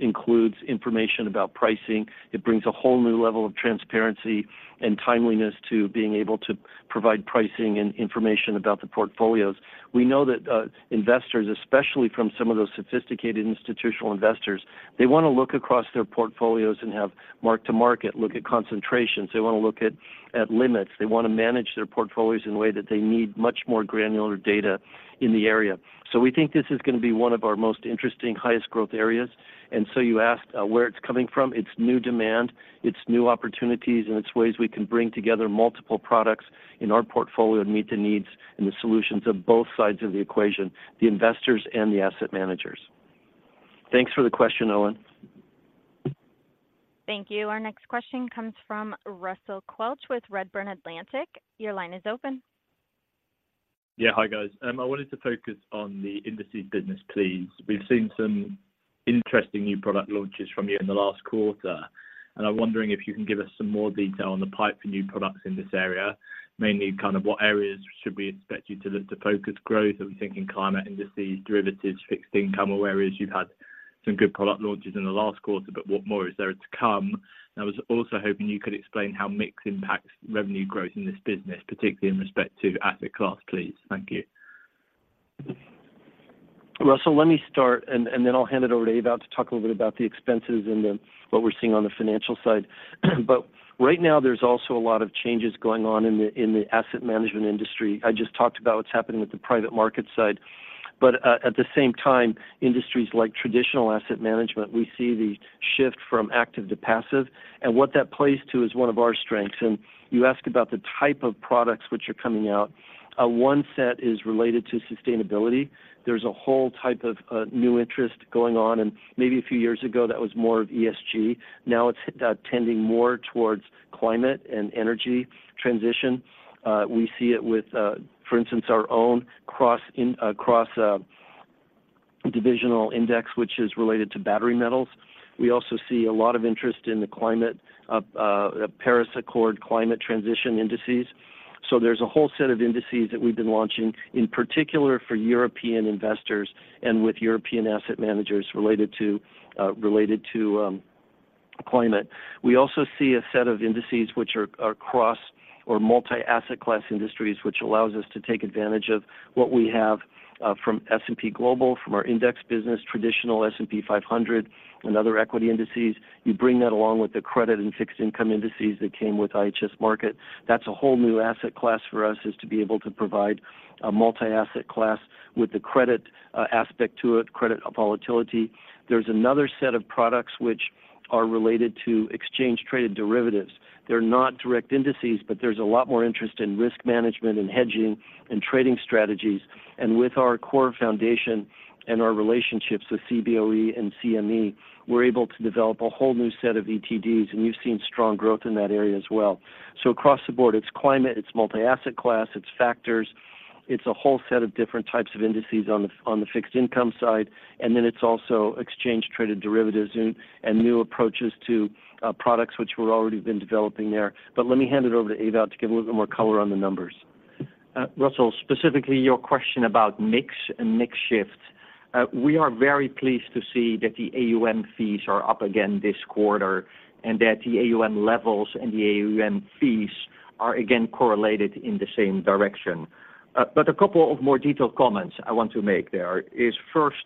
includes information about pricing. It brings a whole new level of transparency and timeliness to being able to provide pricing and information about the portfolios. We know that, investors, especially from some of those sophisticated institutional investors, they want to look across their portfolios and have mark-to-market, look at concentrations. They want to look at, at limits. They want to manage their portfolios in a way that they need much more granular data in the area. So we think this is going to be one of our most interesting, highest growth areas. And so you asked, where it's coming from, it's new demand, it's new opportunities, and it's ways we can bring together multiple products in our portfolio and meet the needs and the solutions of both sides of the equation, the investors and the asset managers. Thanks for the question, Owen. Thank you. Our next question comes from Russell Quelch with Redburn Atlantic. Your line is open. Yeah. Hi, guys. I wanted to focus on the indices business, please. We've seen some interesting new product launches from you in the last quarter, and I'm wondering if you can give us some more detail on the pipe for new products in this area. Mainly, kind of what areas should we expect you to look to focus growth? Are we thinking climate indices, derivatives, fixed income, or where is it you've had some good product launches in the last quarter, but what more is there to come? And I was also hoping you could explain how mix impacts revenue growth in this business, particularly in respect to asset class, please. Thank you. Russell, let me start, and, and then I'll hand it over to Ewout to talk a little bit about the expenses and the, what we're seeing on the financial side. But right now, there's also a lot of changes going on in the, in the asset management industry. I just talked about what's happening with the private market side, but, at the same time, industries like traditional asset management, we see the shift from active to passive, and what that plays to is one of our strengths. And you asked about the type of products which are coming out. One set is related to sustainability. There's a whole type of, new interest going on, and maybe a few years ago, that was more of ESG. Now it's, tending more towards climate and energy transition. We see it with, for instance, our own across divisional index, which is related to battery metals. We also see a lot of interest in the climate, the Paris Accord climate transition indices. So there's a whole set of indices that we've been launching, in particular for European investors and with European asset managers related to, related to, climate. We also see a set of indices which are cross or multi-asset class indices, which allows us to take advantage of what we have from S&P Global, from our index business, traditional S&P 500 and other equity indices. You bring that along with the credit and fixed income indices that came with IHS Markit. That's a whole new asset class for us, is to be able to provide a multi-asset class with the credit, aspect to it, credit volatility. There's another set of products which are related to exchange traded derivatives. They're not direct indices, but there's a lot more interest in risk management and hedging and trading strategies. And with our core foundation and our relationships with CBOE and CME, we're able to develop a whole new set of ETDs, and you've seen strong growth in that area as well. So across the board, it's climate, it's multi-asset class, it's factors, it's a whole set of different types of indices on the fixed income side, and then it's also exchange traded derivatives and, and new approaches to, products which we're already been developing there. Let me hand it over to Ewout to give a little bit more color on the numbers. Russell, specifically your question about mix and mix shift. We are very pleased to see that the AUM fees are up again this quarter, and that the AUM levels and the AUM fees are again correlated in the same direction. But a couple of more detailed comments I want to make there is, first,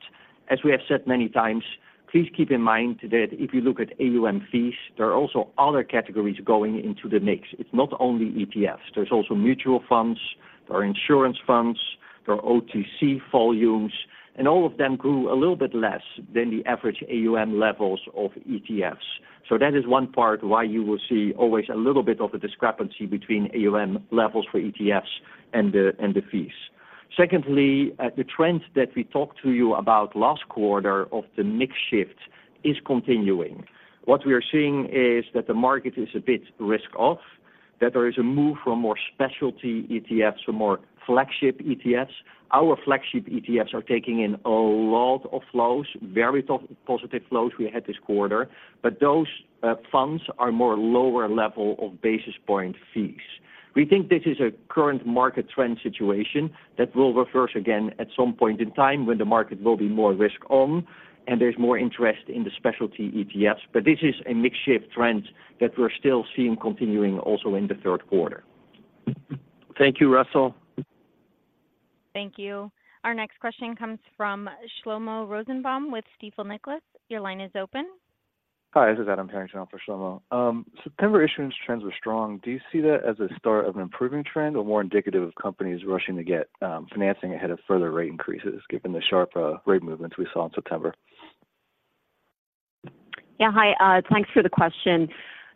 as we have said many times, please keep in mind that if you look at AUM fees, there are also other categories going into the mix. It's not only ETFs, there's also mutual funds, there are insurance funds, there are OTC volumes, and all of them grew a little bit less than the average AUM levels of ETFs. So that is one part why you will see always a little bit of a discrepancy between AUM levels for ETFs and the, and the fees. Secondly, the trend that we talked to you about last quarter of the mix shift is continuing. What we are seeing is that the market is a bit risk off, that there is a move from more specialty ETFs to more flagship ETFs. Our flagship ETFs are taking in a lot of flows, very positive flows we had this quarter, but those, funds are more lower level of basis point fees. We think this is a current market trend situation that will reverse again at some point in time when the market will be more risk on, and there's more interest in the specialty ETFs. But this is a mix shift trend that we're still seeing continuing also in the third quarter. Thank you, Russell. Thank you. Our next question comes from Shlomo Rosenbaum with Stifel Nicolaus. Your line is open. Hi, this is Adam carrying on for Shlomo. September issuance trends were strong. Do you see that as a start of an improving trend or more indicative of companies rushing to get, financing ahead of further rate increases, given the sharp, rate movements we saw in September? Yeah, hi, thanks for the question.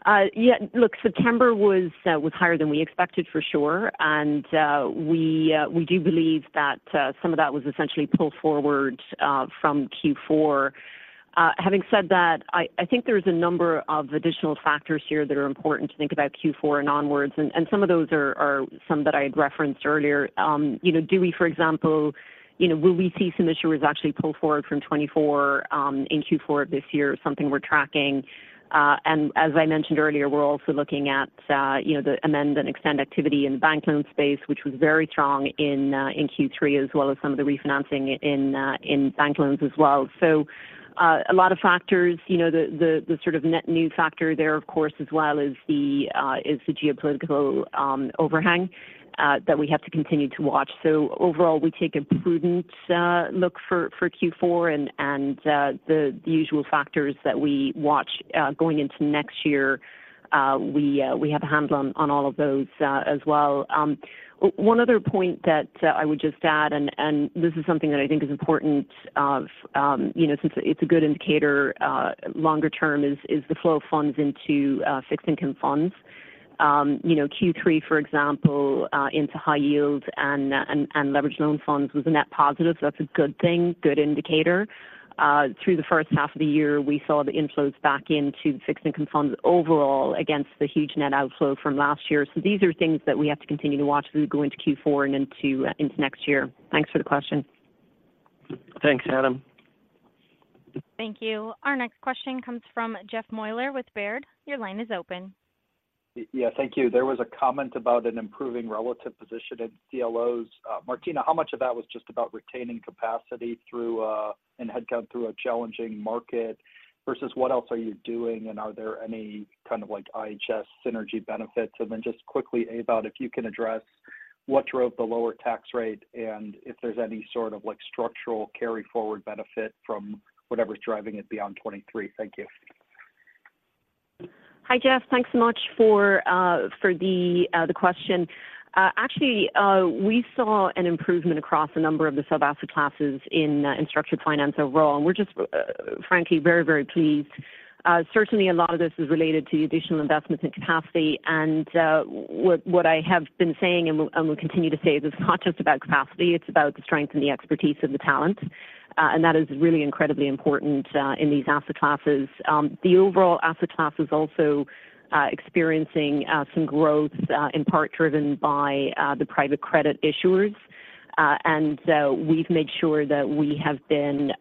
Yeah, look, September was higher than we expected, for sure, and we do believe that some of that was essentially pulled forward from Q4. Having said that, I think there's a number of additional factors here that are important to think about Q4 and onwards, and some of those are some that I had referenced earlier. You know, do we, for example, you know, will we see some issuers actually pull forward from 2024 in Q4 of this year? Something we're tracking. And as I mentioned earlier, we're also looking at you know, the amend and extend activity in the bank loan space, which was very strong in Q3, as well as some of the refinancing in bank loans as well. So, a lot of factors, you know, the sort of net new factor there, of course, as well, is the geopolitical overhang that we have to continue to watch. So overall, we take a prudent look for Q4, and the usual factors that we watch going into next year, we have a handle on all of those as well. One other point that I would just add, and this is something that I think is important, you know, since it's a good indicator longer term, is the flow of funds into fixed income funds. You know, Q3, for example, into high yield and leveraged loan funds was a net positive. So that's a good thing, good indicator. through the first half of the year, we saw the inflows back into fixed income funds overall against the huge net outflow from last year. So these are things that we have to continue to watch as we go into Q4 and into next year. Thanks for the question. Thanks, Adam. Thank you. Our next question comes from Jeff Meuler with Baird. Your line is open. Yeah. Thank you. There was a comment about an improving relative position in CLOs. Martina, how much of that was just about retaining capacity through, and headcount through a challenging market, versus what else are you doing? And are there any kind of, like, IHS synergy benefits? And then just quickly, Ewout, if you can address what drove the lower tax rate and if there's any sort of, like, structural carryforward benefit from whatever's driving it beyond 2023. Thank you. Hi, Jeff. Thanks so much for the question. Actually, we saw an improvement across a number of the sub-asset classes in structured finance overall, and we're just frankly, very, very pleased. Certainly, a lot of this is related to additional investments in capacity, and what I have been saying and will continue to say is it's not just about capacity, it's about the strength and the expertise of the talent, and that is really incredibly important in these asset classes. The overall asset class is also experiencing some growth in part driven by the private credit issuers. And so we've made sure that we have been,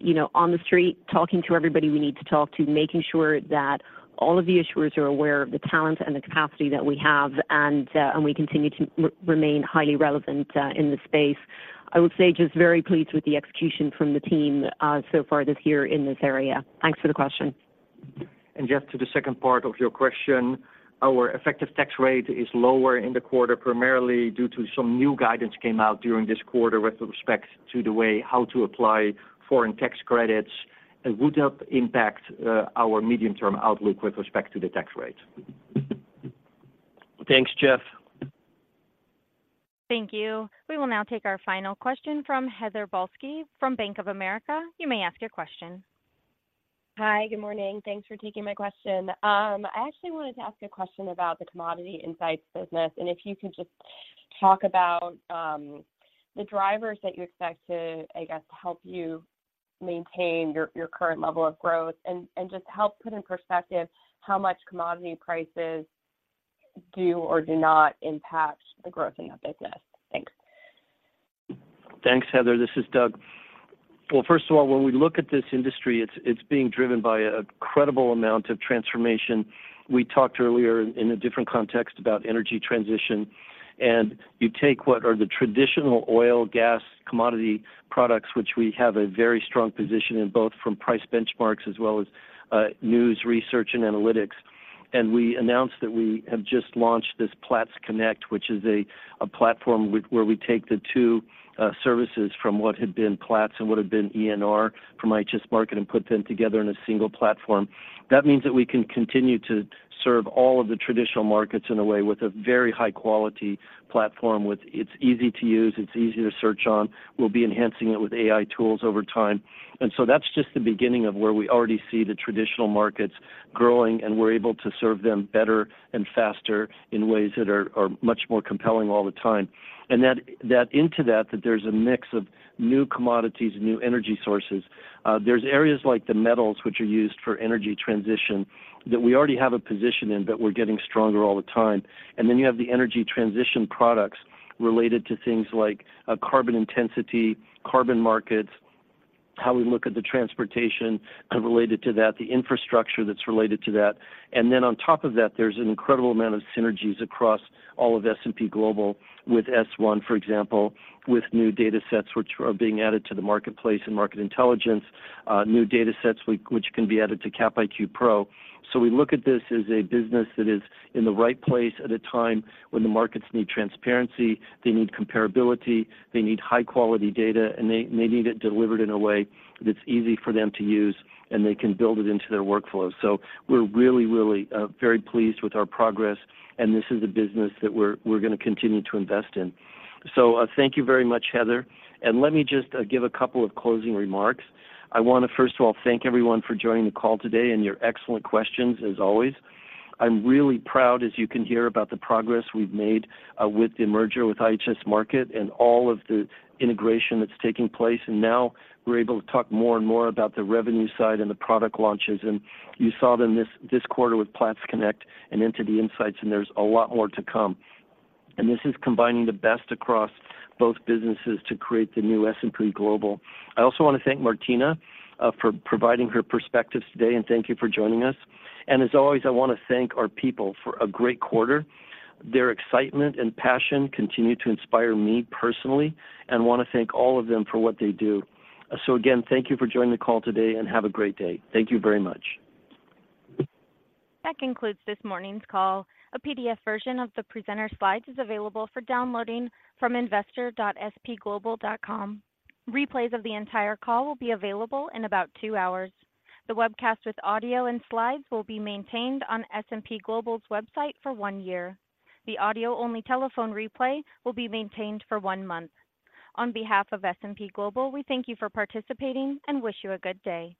you know, on the street, talking to everybody we need to talk to, making sure that all of the issuers are aware of the talent and the capacity that we have, and we continue to remain highly relevant in this space. I would say, just very pleased with the execution from the team, so far this year in this area. Thanks for the question. Just to the second part of your question, our effective tax rate is lower in the quarter, primarily due to some new guidance came out during this quarter with respect to the way how to apply foreign tax credits. It would help impact our medium-term outlook with respect to the tax rate. Thanks, Jeff. Thank you. We will now take our final question from Heather Balsky from Bank of America. You may ask your question. Hi, good morning. Thanks for taking my question. I actually wanted to ask a question about the Commodity Insights business, and if you could just talk about the drivers that you expect to, I guess, help you maintain your, your current level of growth, and, and just help put in perspective how much commodity prices do or do not impact the growth in your business. Thanks. Thanks, Heather. This is Doug. Well, first of all, when we look at this industry, it's, it's being driven by an incredible amount of transformation. We talked earlier in a different context about energy transition, and you take what are the traditional oil, gas, commodity products, which we have a very strong position in, both from price benchmarks as well as, news, research, and analytics. And we announced that we have just launched this Platts Connect, which is a, a platform where we take the two, services from what had been Platts and what had been IHS Connect from IHS Markit, and put them together in a single platform. That means that we can continue to serve all of the traditional markets in a way with a very high-quality platform, with. It's easy to use, it's easy to search on. We'll be enhancing it with AI tools over time. And so that's just the beginning of where we already see the traditional markets growing, and we're able to serve them better and faster in ways that are much more compelling all the time. And that into that there's a mix of new commodities and new energy sources. There's areas like the metals, which are used for energy transition, that we already have a position in, but we're getting stronger all the time. And then you have the energy transition products related to things like carbon intensity, carbon markets, how we look at the transportation related to that, the infrastructure that's related to that. And then on top of that, there's an incredible amount of synergies across all of S&P Global with Sustainable1, for example, with new datasets which are being added to the Marketplace and Market Intelligence, new datasets which can be added to Capital IQ Pro. So we look at this as a business that is in the right place at a time when the markets need transparency, they need comparability, they need high-quality data, and they, and they need it delivered in a way that's easy for them to use, and they can build it into their workflow. So we're really, really, very pleased with our progress, and this is a business that we're, we're going to continue to invest in. So, thank you very much, Heather, and let me just, give a couple of closing remarks. I want to, first of all, thank everyone for joining the call today and your excellent questions, as always. I'm really proud, as you can hear, about the progress we've made with the merger with IHS Markit and all of the integration that's taking place. And now we're able to talk more and more about the revenue side and the product launches. And you saw them this, this quarter with Platts Connect and into the Insights, and there's a lot more to come. And this is combining the best across both businesses to create the new S&P Global. I also want to thank Martina for providing her perspectives today, and thank you for joining us. And as always, I want to thank our people for a great quarter. Their excitement and passion continue to inspire me personally, and want to thank all of them for what they do. So again, thank you for joining the call today, and have a great day. Thank you very much. That concludes this morning's call. A PDF version of the presenter slides is available for downloading from investor.spglobal.com. Replays of the entire call will be available in about two hours. The webcast with audio and slides will be maintained on S&P Global's website for one year. The audio-only telephone replay will be maintained for one month. On behalf of S&P Global, we thank you for participating and wish you a good day.